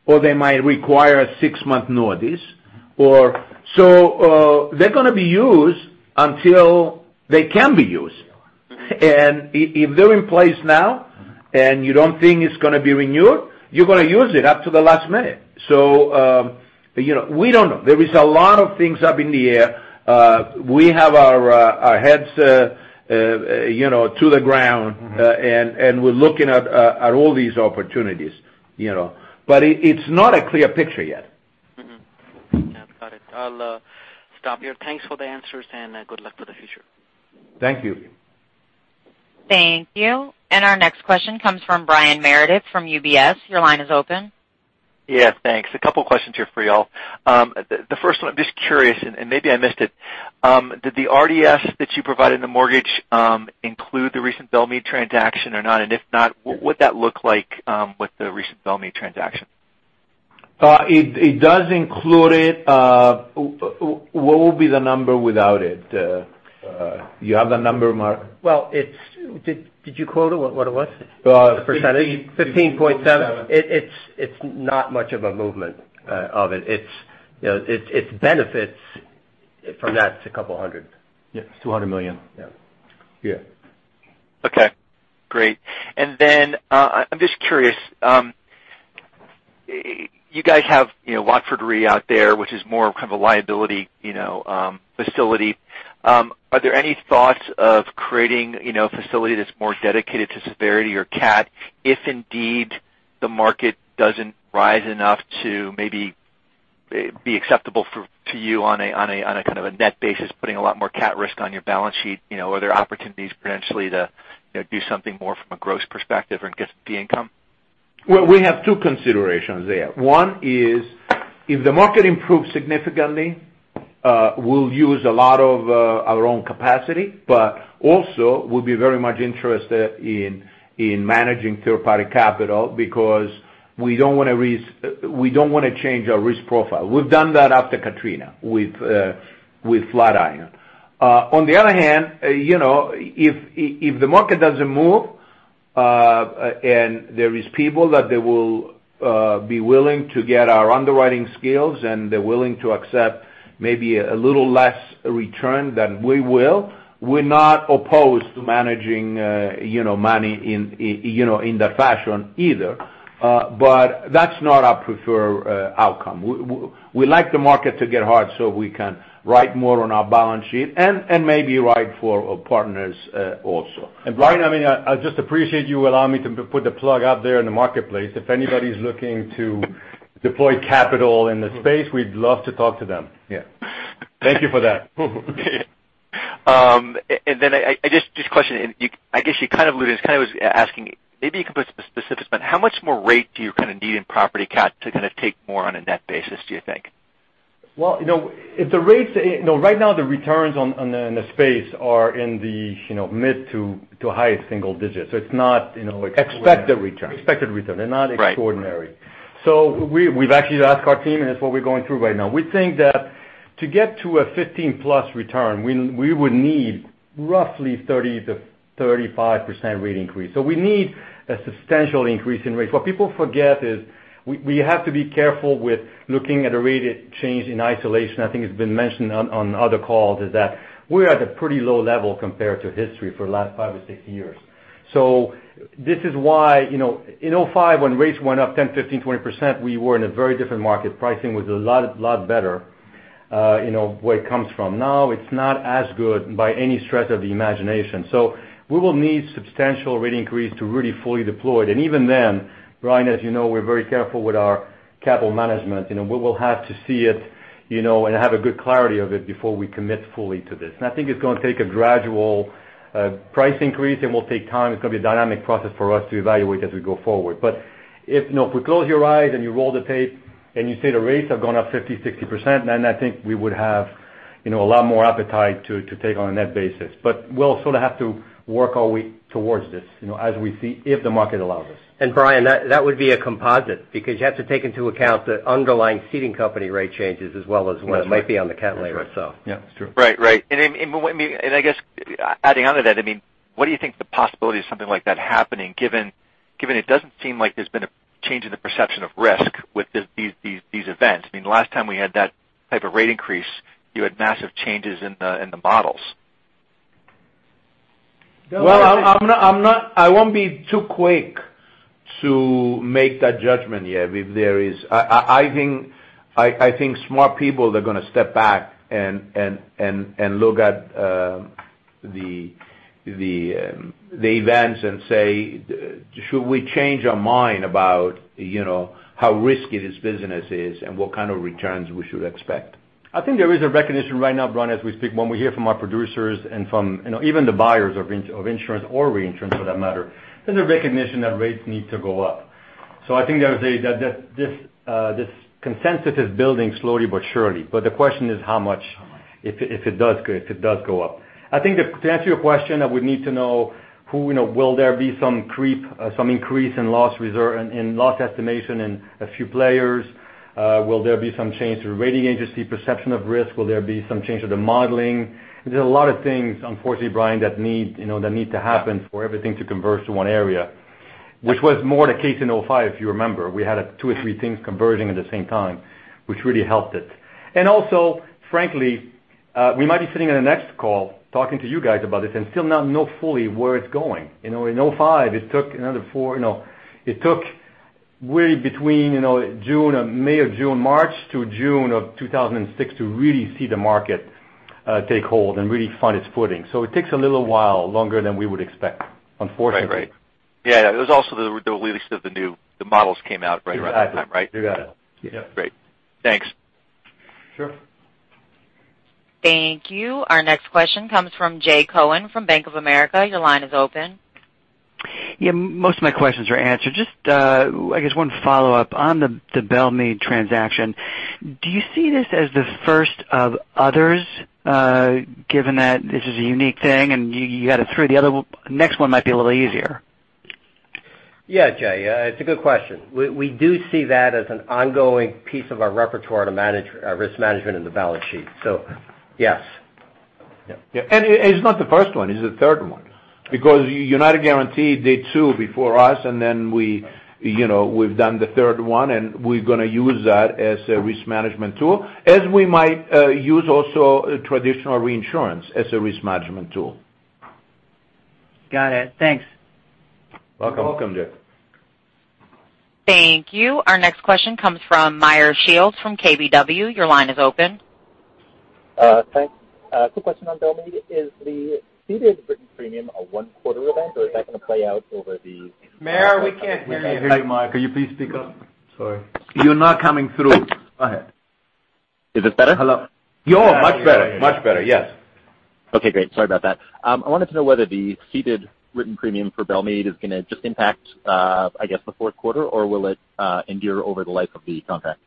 Speaker 2: or they might require a six-month notice. They're going to be used until they can be used. If they're in place now and you don't think it's going to be renewed, you're going to use it up to the last minute. We don't know. There is a lot of things up in the air. We have our heads to the ground and we're looking at all these opportunities. It's not a clear picture yet.
Speaker 7: Yeah, got it. I'll stop here. Thanks for the answers and good luck for the future.
Speaker 2: Thank you.
Speaker 1: Thank you. Our next question comes from Brian Meredith from UBS. Your line is open.
Speaker 8: Yeah, thanks. A couple questions here for you all. The first one, I'm just curious, and maybe I missed it. Did the RDS that you provided in the mortgage include the recent Bellemeade transaction or not? If not, what would that look like with the recent Bellemeade transaction?
Speaker 2: It does include it. What would be the number without it? Do you have the number, Marc?
Speaker 3: Well, did you quote what it was?
Speaker 2: The percentage?
Speaker 3: 15.7. It's not much of a movement of it. Its benefits from that's $200.
Speaker 2: Yeah, $200 million.
Speaker 3: Yeah.
Speaker 2: Yeah.
Speaker 8: Okay, great. I'm just curious. You guys have Watford Re out there, which is more of a liability facility. Are there any thoughts of creating a facility that's more dedicated to severity or cat, if indeed the market doesn't rise enough to maybe be acceptable to you on a kind of a net basis, putting a lot more cat risk on your balance sheet? Are there opportunities potentially to do something more from a gross perspective and get the income?
Speaker 2: We have two considerations there. One is, if the market improves significantly, we'll use a lot of our own capacity, but also we'll be very much interested in managing third-party capital because we don't want to change our risk profile. We've done that after Hurricane Katrina with Flatiron Re. If the market doesn't move, and there is people that they will be willing to get our underwriting skills and they're willing to accept maybe a little less return than we will, we're not opposed to managing money in that fashion either. That's not our preferred outcome. We like the market to get hard so we can write more on our balance sheet and maybe write for partners also.
Speaker 3: Brian, I mean, I just appreciate you allowing me to put the plug out there in the marketplace. If anybody's looking to deploy capital in the space, we'd love to talk to them.
Speaker 2: Yeah. Thank you for that.
Speaker 8: Just a question, and I guess you kind of alluded, I kind of was asking maybe you can put a specific spin. How much more rate do you kind of need in property cat to kind of take more on a net basis, do you think?
Speaker 3: Well, right now the returns on the space are in the mid to high single digits. It's not
Speaker 2: Expected return.
Speaker 3: Expected return. They're not extraordinary. We've actually asked our team, and that's what we're going through right now. We think that to get to a 15+ return, we would need roughly 30%-35% rate increase. We need a substantial increase in rates. What people forget is we have to be careful with looking at a rate change in isolation. I think it's been mentioned on other calls is that we're at a pretty low level compared to history for the last five or six years. This is why, in 2005, when rates went up 10%, 15%, 20%, we were in a very different market. Pricing was a lot better, where it comes from. Now it's not as good by any stretch of the imagination. We will need substantial rate increase to really fully deploy it. Even then, Brian, as you know, we're very careful with our capital management. We will have to see it, and have a good clarity of it before we commit fully to this. I think it's going to take a gradual price increase. It will take time. It's going to be a dynamic process for us to evaluate as we go forward. If we close your eyes and you roll the tape and you say the rates have gone up 50%, 60%, then I think we would have a lot more appetite to take on a net basis. We'll sort of have to work our way towards this, as we see if the market allows us.
Speaker 4: Brian, that would be a composite because you have to take into account the underlying ceding company rate changes as well as what might be on the cat layer.
Speaker 3: That's right. Yeah, it's true.
Speaker 8: Right. I guess adding on to that, what do you think the possibility of something like that happening, given it doesn't seem like there's been a change in the perception of risk with these events? The last time we had that type of rate increase, you had massive changes in the models.
Speaker 3: Well, I won't be too quick to make that judgment yet. I think smart people are going to step back and look at the events and say, "Should we change our mind about how risky this business is and what kind of returns we should expect?" I think there is a recognition right now, Brian, as we speak, when we hear from our producers and from even the buyers of insurance or reinsurance for that matter, there's a recognition that rates need to go up. I think there is a consensus building slowly but surely. The question is how much, if it does go up. I think to answer your question, I would need to know will there be some increase in loss estimation in a few players? Will there be some change to the rating agency perception of risk? Will there be some change to the modeling? There's a lot of things, unfortunately, Brian, that need to happen for everything to converge to one area, which was more the case in 2005 if you remember. We had two or three things converging at the same time, which really helped it. Frankly, we might be sitting in the next call talking to you guys about this and still not know fully where it's going. In 2005, it took really between May or June, March to June of 2006 to really see the market take hold and really find its footing. It takes a little while longer than we would expect, unfortunately.
Speaker 8: Right. Yeah, it was also the release of the new models came out right around that time, right?
Speaker 3: You got it.
Speaker 8: Great. Thanks.
Speaker 3: Sure.
Speaker 1: Thank you. Our next question comes from Jay Cohen from Bank of America. Your line is open.
Speaker 9: Yeah. Most of my questions are answered. Just, I guess one follow-up on the Bellemeade transaction. Do you see this as the first of others, given that this is a unique thing and you got it through the other one, next one might be a little easier?
Speaker 4: Yeah, Jay. It's a good question. We do see that as an ongoing piece of our repertoire to risk management in the balance sheet. Yes.
Speaker 3: Yeah. It's not the first one, it's the third one because United Guaranty did two before us, we've done the third one, we're going to use that as a risk management tool, as we might use also traditional reinsurance as a risk management tool.
Speaker 9: Got it. Thanks.
Speaker 3: You're welcome.
Speaker 4: You're welcome, Jay.
Speaker 1: Thank you. Our next question comes from Meyer Shields from KBW. Your line is open.
Speaker 10: Thanks. Two question on Bellemeade. Is the ceded written premium a one quarter event, or is that going to play out?
Speaker 4: Meyer, we can't hear you.
Speaker 3: Hey, Meyer, can you please speak up?
Speaker 10: Sorry.
Speaker 3: You're not coming through. Go ahead.
Speaker 10: Is it better?
Speaker 3: Hello. You're much better. Much better. Yes.
Speaker 10: Okay, great. Sorry about that. I wanted to know whether the ceded written premium for Bellemeade is going to just impact, I guess, the fourth quarter, or will it endure over the life of the contract?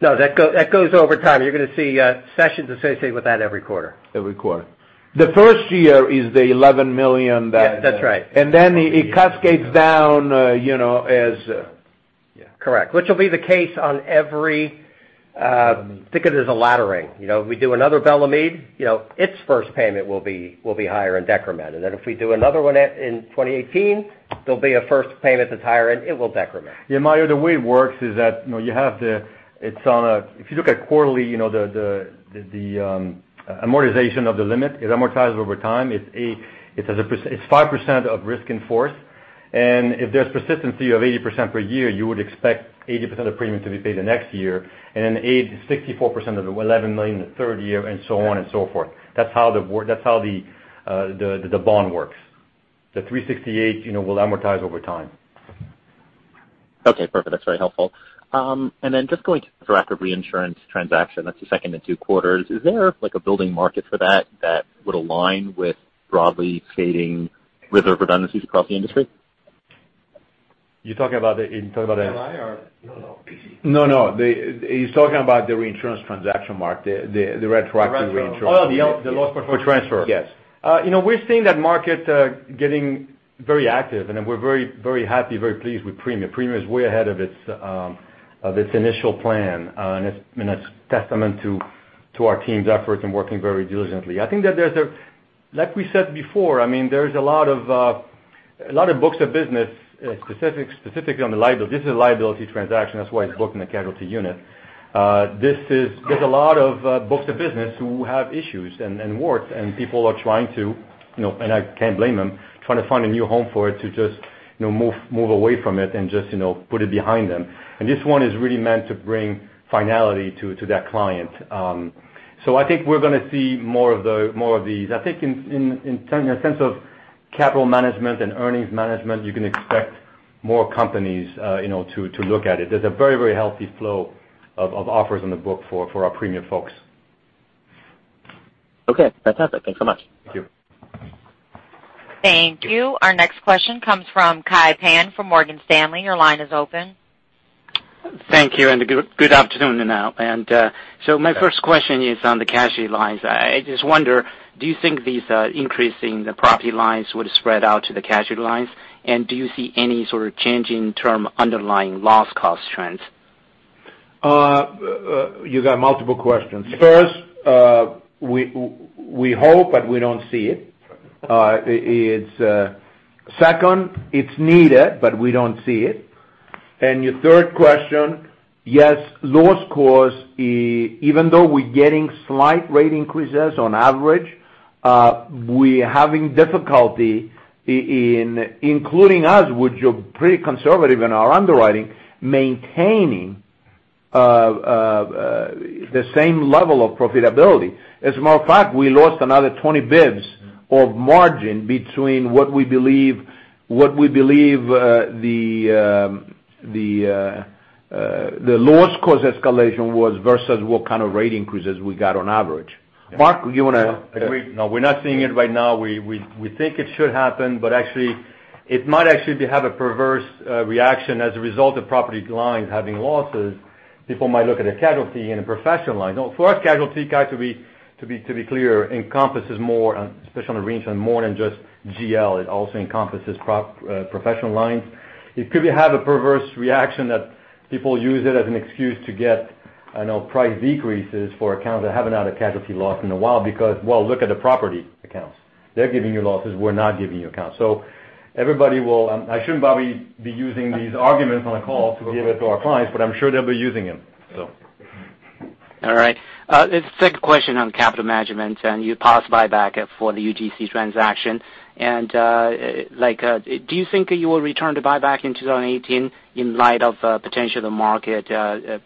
Speaker 4: No, that goes over time. You're going to see cessions associated with that every quarter.
Speaker 3: Every quarter. The first year is the $11 million.
Speaker 4: Yes, that's right.
Speaker 3: Then it cascades down.
Speaker 4: Correct. Think of it as a laddering. We do another Bellemeade, its first payment will be higher and decrement. Then if we do another one in 2018, there'll be a first payment that's higher and it will decrement.
Speaker 3: Yeah, Meyer, the way it works is that, if you look at quarterly, the amortization of the limit, it amortizes over time. It's 5% of risk in force. If there's persistency of 80% per year, you would expect 80% of premium to be paid the next year, then 64% of the $11 million the third year, and so on and so forth. That's how the bond works. The $368 will amortize over time.
Speaker 10: Okay, perfect. That's very helpful. Just going to the retroactive reinsurance transaction, that's the second in two quarters. Is there like a building market for that would align with broadly stating reserve redundancies across the industry?
Speaker 3: You talking about the-
Speaker 4: MI or? No.
Speaker 3: No, he's talking about the reinsurance transaction market, the retroactive reinsurance.
Speaker 4: The retro. Oh, the loss proportion.
Speaker 3: For transfer.
Speaker 4: Yes.
Speaker 3: Then we're very happy, very pleased with Premia. Premia is way ahead of its initial plan, and it's testament to our team's efforts in working very diligently. I think that like we said before, there's a lot of books of business, specifically on the liability. This is a liability transaction, that's why it's booked in the casualty unit. There's a lot of books of business who have issues and warts, and people are trying to, and I can't blame them, trying to find a new home for it to just move away from it and just put it behind them. This one is really meant to bring finality to that client. I think we're going to see more of these. I think in a sense of capital management and earnings management, you can expect more companies to look at it. There is a very healthy flow of offers on the book for our premium folks.
Speaker 10: Okay, fantastic. Thanks so much.
Speaker 3: Thank you.
Speaker 1: Thank you. Our next question comes from Kai Pan from Morgan Stanley. Your line is open.
Speaker 11: Thank you, and good afternoon now. My first question is on the casualty lines. I just wonder, do you think these increase in the property lines would spread out to the casualty lines? Do you see any sort of change in term underlying loss cost trends?
Speaker 2: You got multiple questions. First, we hope, but we don't see it. Second, it's needed, but we don't see it. Your third question, yes, loss cost, even though we're getting slight rate increases on average, we're having difficulty in including us, which we're pretty conservative in our underwriting, maintaining the same level of profitability. As a matter of fact, we lost another 20 basis points of margin between what we believe the loss cost escalation was versus what kind of rate increases we got on average. Marc, you want to-
Speaker 3: No, we're not seeing it right now. We think it should happen, but actually, it might actually have a perverse reaction as a result of property lines having losses. People might look at a casualty in a professional line. Now, for us, casualty, Kai, to be clear, encompasses more, especially on the reinsurance, more than just GL. It also encompasses professional lines. It could have a perverse reaction that people use it as an excuse to get price decreases for accounts that haven't had a casualty loss in a while because, well, look at the property accounts. They're giving you losses, we're not giving you accounts. I shouldn't probably be using these arguments on a call to give it to our clients, but I'm sure they'll be using them.
Speaker 11: All right. Second question on capital management, you paused buyback for the UGC transaction. Do you think you will return to buyback in 2018 in light of potential market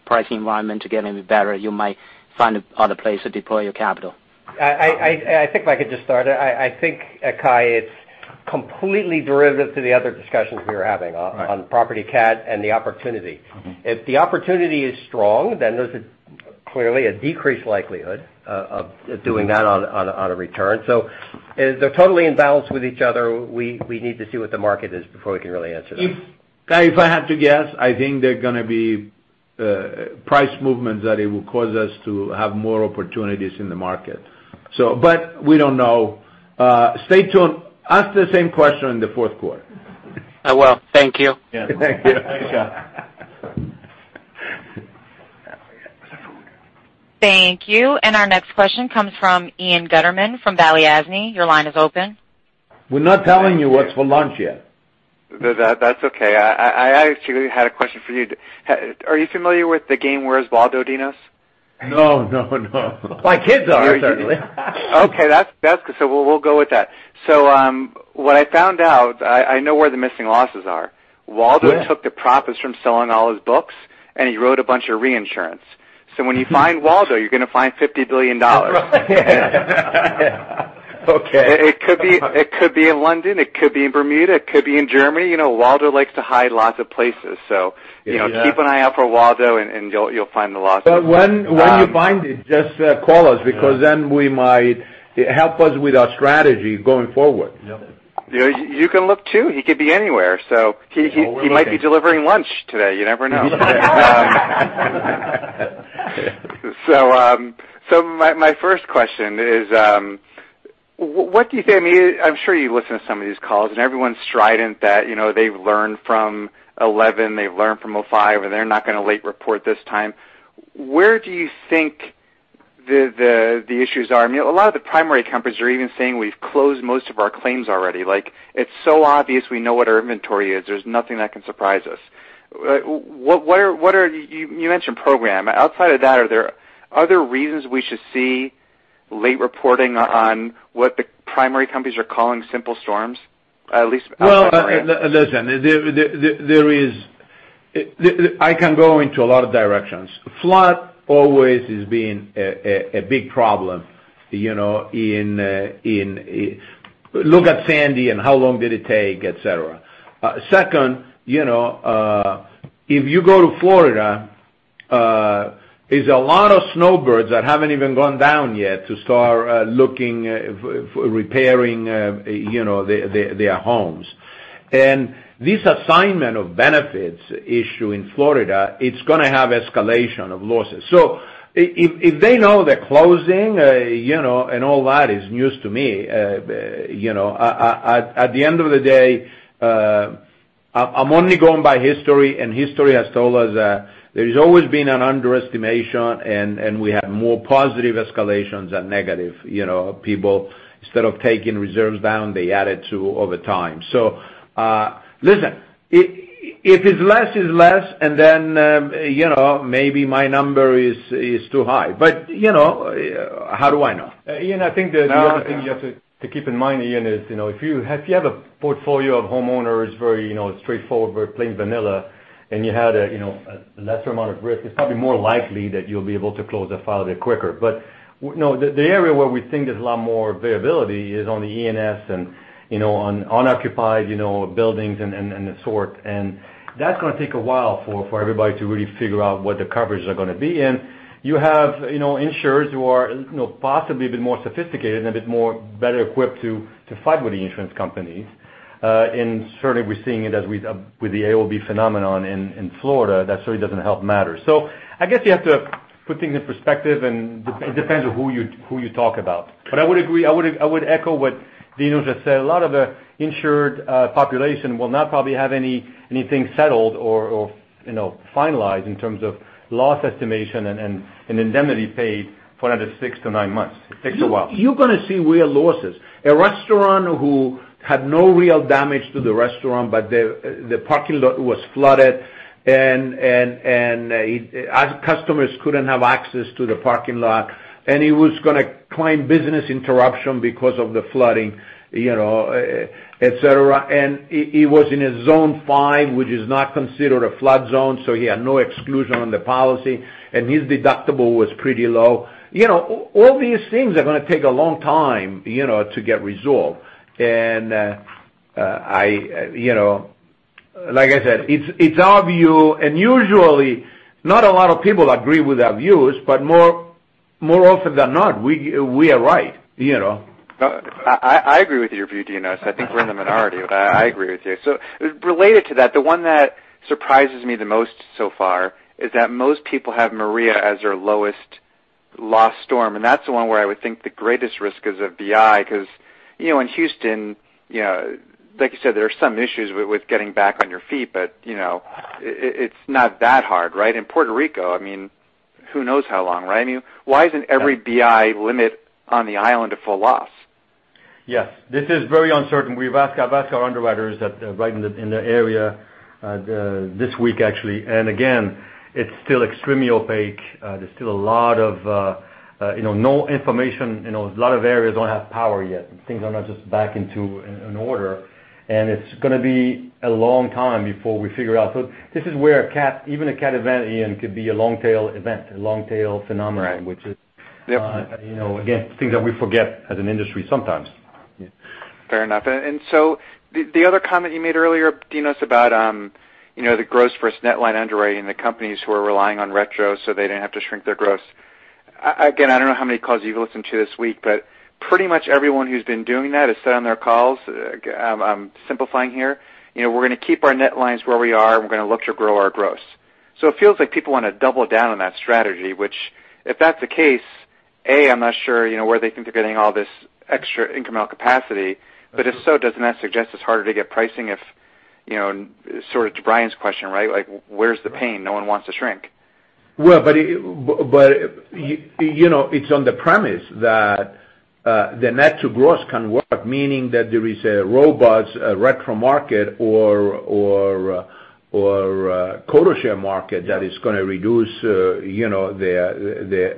Speaker 11: pricing environment to get any better? You might find other place to deploy your capital.
Speaker 4: I think if I could just start. I think, Kai, it's completely derivative to the other discussions we are having on property cat and the opportunity. If the opportunity is strong, then there's clearly a decreased likelihood of doing that on a return. They're totally in balance with each other. We need to see what the market is before we can really answer that.
Speaker 2: Kai, if I had to guess, I think there are going to be price movements that it will cause us to have more opportunities in the market. We don't know. Stay tuned. Ask the same question in the fourth quarter.
Speaker 11: I will. Thank you.
Speaker 2: Yeah. Thank you.
Speaker 1: Thank you. Our next question comes from Ian Gutterman from Balyasny Asset Management. Your line is open.
Speaker 2: We're not telling you what's for lunch yet.
Speaker 12: That's okay. I actually had a question for you. Are you familiar with the game Where's Waldo, Dinos?
Speaker 2: No.
Speaker 4: My kids are, certainly.
Speaker 12: Okay, that's good. We'll go with that. What I found out, I know where the missing losses are. Waldo took the profits from selling all his books, and he wrote a bunch of reinsurance. When you find Waldo, you're going to find $50 billion.
Speaker 2: Right. Okay.
Speaker 12: It could be in London, it could be in Bermuda, it could be in Germany. Waldo likes to hide lots of places. Keep an eye out for Waldo, and you'll find the losses.
Speaker 2: When you find it, just call us because then it help us with our strategy going forward.
Speaker 3: Yep.
Speaker 12: You can look, too. He could be anywhere. He might be delivering lunch today. You never know. My first question is I'm sure you listen to some of these calls, and everyone's strident that they've learned from 2011, they've learned from 2005, and they're not going to late report this time. Where do you think the issues are? A lot of the primary companies are even saying we've closed most of our claims already. It's so obvious we know what our inventory is. There's nothing that can surprise us. You mentioned program. Outside of that, are there other reasons we should see late reporting on what the primary companies are calling simple storms, at least outside of Maria?
Speaker 2: Well, listen, I can go into a lot of directions. Flood always has been a big problem. Look at Sandy and how long did it take, et cetera. Second, if you go to Florida, there's a lot of snowbirds that haven't even gone down yet to start looking for repairing their homes. This assignment of benefits issue in Florida, it's going to have escalation of losses. If they know they're closing, and all that is news to me. At the end of the day I'm only going by history, and history has told us that there's always been an underestimation, and we had more positive escalations than negative. People, instead of taking reserves down, they added to over time. Listen, if it's less, it's less, and then maybe my number is too high. How do I know?
Speaker 3: Ian, I think the other thing you have to keep in mind is, if you have a portfolio of homeowners, very straightforward, very plain vanilla, and you had a lesser amount of risk, it's probably more likely that you'll be able to close that file a bit quicker. No, the area where we think there's a lot more variability is on the E&S and on unoccupied buildings and the sort. That's going to take a while for everybody to really figure out what the coverages are going to be. You have insurers who are possibly a bit more sophisticated and a bit more better equipped to fight with the insurance companies. Certainly, we're seeing it with the AOB phenomenon in Florida. That certainly doesn't help matters. I guess you have to put things in perspective, and it depends on who you talk about. I would agree, I would echo what Dinos has said. A lot of the insured population will not probably have anything settled or finalized in terms of loss estimation and indemnity paid for another six to nine months. It takes a while.
Speaker 2: You're going to see real losses. A restaurant who had no real damage to the restaurant, but the parking lot was flooded, and customers couldn't have access to the parking lot, and he was going to claim business interruption because of the flooding, et cetera. He was in a zone 5, which is not considered a flood zone, so he had no exclusion on the policy, and his deductible was pretty low. All these things are going to take a long time to get resolved. Like I said, it's our view, and usually not a lot of people agree with our views, but more often than not, we are right.
Speaker 12: I agree with your view, Dinos. I think we're in the minority, but I agree with you. Related to that, the one that surprises me the most so far is that most people have Maria as their lowest loss storm, and that's the one where I would think the greatest risk is of BI because in Houston, like you said, there are some issues with getting back on your feet, but it's not that hard, right? In Puerto Rico, who knows how long, right? Why isn't every BI limit on the island a full loss?
Speaker 3: Yes. This is very uncertain. I've asked our underwriters right in the area, this week actually. Again, it's still extremely opaque. There's still a lot of no information. A lot of areas don't have power yet, and things are not just back into an order, and it's going to be a long time before we figure out. This is where even a cat event, Ian, could be a long tail event, a long tail phenomenon.
Speaker 12: Right.
Speaker 3: Which is-
Speaker 12: Definitely
Speaker 3: Things that we forget as an industry sometimes.
Speaker 12: Fair enough. The other comment you made earlier, Dinos, about the gross versus net line underwriting, the companies who are relying on retro so they didn't have to shrink their gross. I don't know how many calls you've listened to this week, but pretty much everyone who's been doing that has said on their calls, I'm simplifying here, "We're going to keep our net lines where we are, and we're going to look to grow our gross." It feels like people want to double down on that strategy, which, if that's the case, A, I'm not sure where they think they're getting all this extra incremental capacity. If so, doesn't that suggest it's harder to get pricing if, sort of to Brian's question, right? Where's the pain? No one wants to shrink.
Speaker 2: Well, it's on the premise that the net to gross can work, meaning that there is a robust retro market or a quota share market that is going to reduce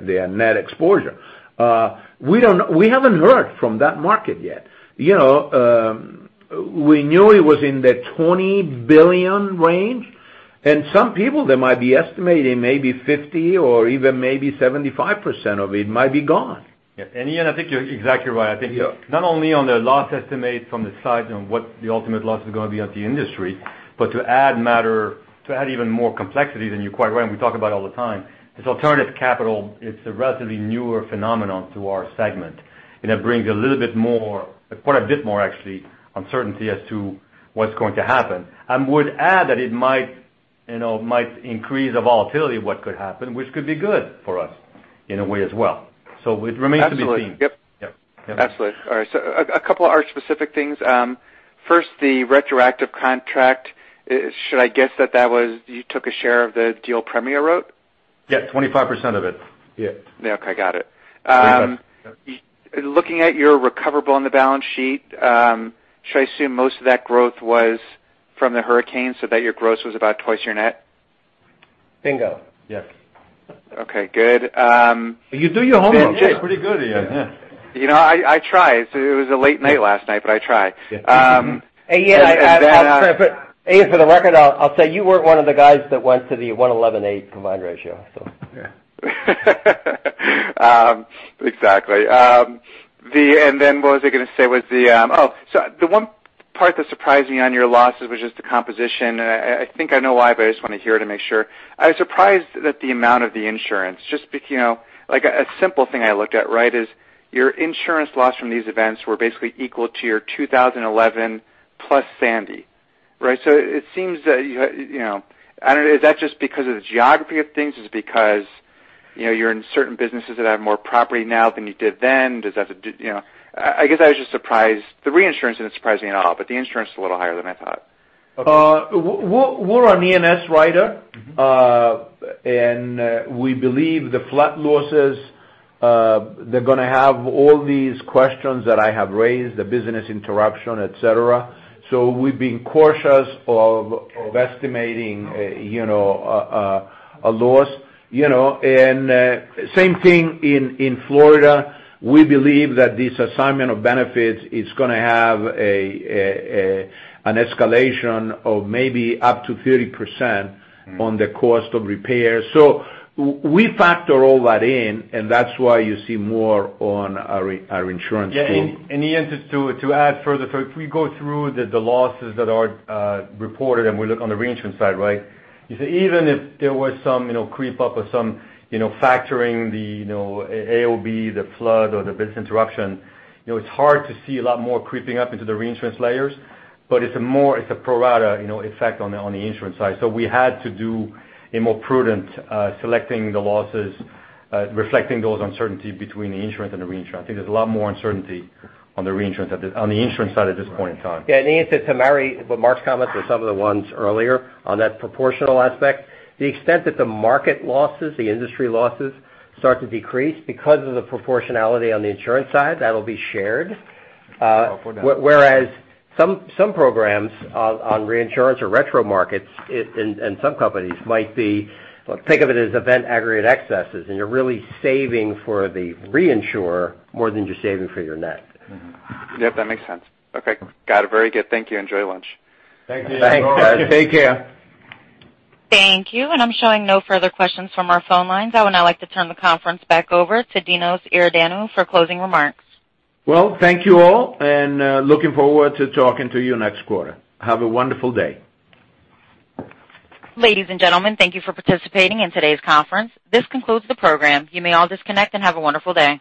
Speaker 2: their net exposure. We haven't heard from that market yet. We knew it was in the $20 billion range, and some people, they might be estimating maybe 50% or even maybe 75% of it might be gone.
Speaker 3: Yeah. Ian, I think you're exactly right. I think not only on the loss estimate from the side and what the ultimate loss is going to be on the industry, to add even more complexity, you're quite right, and we talk about it all the time, this alternative capital, it's a relatively newer phenomenon to our segment, and it brings a little bit more, quite a bit more actually, uncertainty as to what's going to happen. I would add that it might increase the volatility of what could happen, which could be good for us in a way as well. It remains to be seen.
Speaker 12: Absolutely. Yep.
Speaker 3: Yep.
Speaker 12: Absolutely. All right. A couple of Arch specific things. First, the retroactive contract, should I guess that that was you took a share of the deal Premia wrote?
Speaker 3: Yeah, 25% of it. Yeah.
Speaker 12: Okay, got it.
Speaker 3: 25, yep.
Speaker 12: Looking at your recoverable on the balance sheet, should I assume most of that growth was from the hurricane so that your gross was about twice your net?
Speaker 3: Bingo. Yes.
Speaker 12: Okay, good.
Speaker 2: You do your homework.
Speaker 3: Yeah, pretty good, Ian. Yeah.
Speaker 12: I try. It was a late night last night, but I try.
Speaker 4: Ian, I'm sorry, but A, for the record, I'll say you weren't one of the guys that went to the 111.8 combined ratio.
Speaker 12: Exactly. The one part that surprised me on your losses was just the composition. I think I know why, but I just want to hear to make sure. I was surprised at the amount of the insurance. Just like a simple thing I looked at is your insurance loss from these events were basically equal to your 2011 plus Sandy. Right? Is that just because of the geography of things? You're in certain businesses that have more property now than you did then. I guess I was just surprised. The reinsurance isn't surprising at all, but the insurance is a little higher than I thought.
Speaker 2: We're an E&S writer. We believe the flood losses, they're going to have all these questions that I have raised, the business interruption, et cetera. We've been cautious of estimating a loss. Same thing in Florida. We believe that this assignment of benefits is going to have an escalation of maybe up to 30% on the cost of repairs. We factor all that in, and that's why you see more on our insurance team.
Speaker 3: Ian, just to add further, if we go through the losses that are reported, we look on the reinsurance side. You see, even if there was some creep up or some factoring the AOB, the flood or the business interruption, it's hard to see a lot more creeping up into the reinsurance layers. It's a pro rata effect on the insurance side. We had to do a more prudent selecting the losses, reflecting those uncertainty between the insurance and the reinsurance. I think there's a lot more uncertainty on the insurance side at this point in time.
Speaker 4: Ian, to marry what Marc's comment to some of the ones earlier on that proportional aspect, the extent that the market losses, the industry losses start to decrease because of the proportionality on the insurance side, that'll be shared.
Speaker 2: Up or down.
Speaker 4: Some programs on reinsurance or retro markets in some companies might be, think of it as event aggregate excesses, and you're really saving for the reinsurer more than you're saving for your net.
Speaker 12: Yep, that makes sense. Okay, got it. Very good. Thank you. Enjoy lunch.
Speaker 2: Thank you.
Speaker 3: Thanks.
Speaker 4: Take care.
Speaker 1: Thank you. I'm showing no further questions from our phone lines. I would now like to turn the conference back over to Dinos Iordanou for closing remarks.
Speaker 2: Well, thank you all, looking forward to talking to you next quarter. Have a wonderful day.
Speaker 1: Ladies and gentlemen, thank you for participating in today's conference. This concludes the program. You may all disconnect, and have a wonderful day.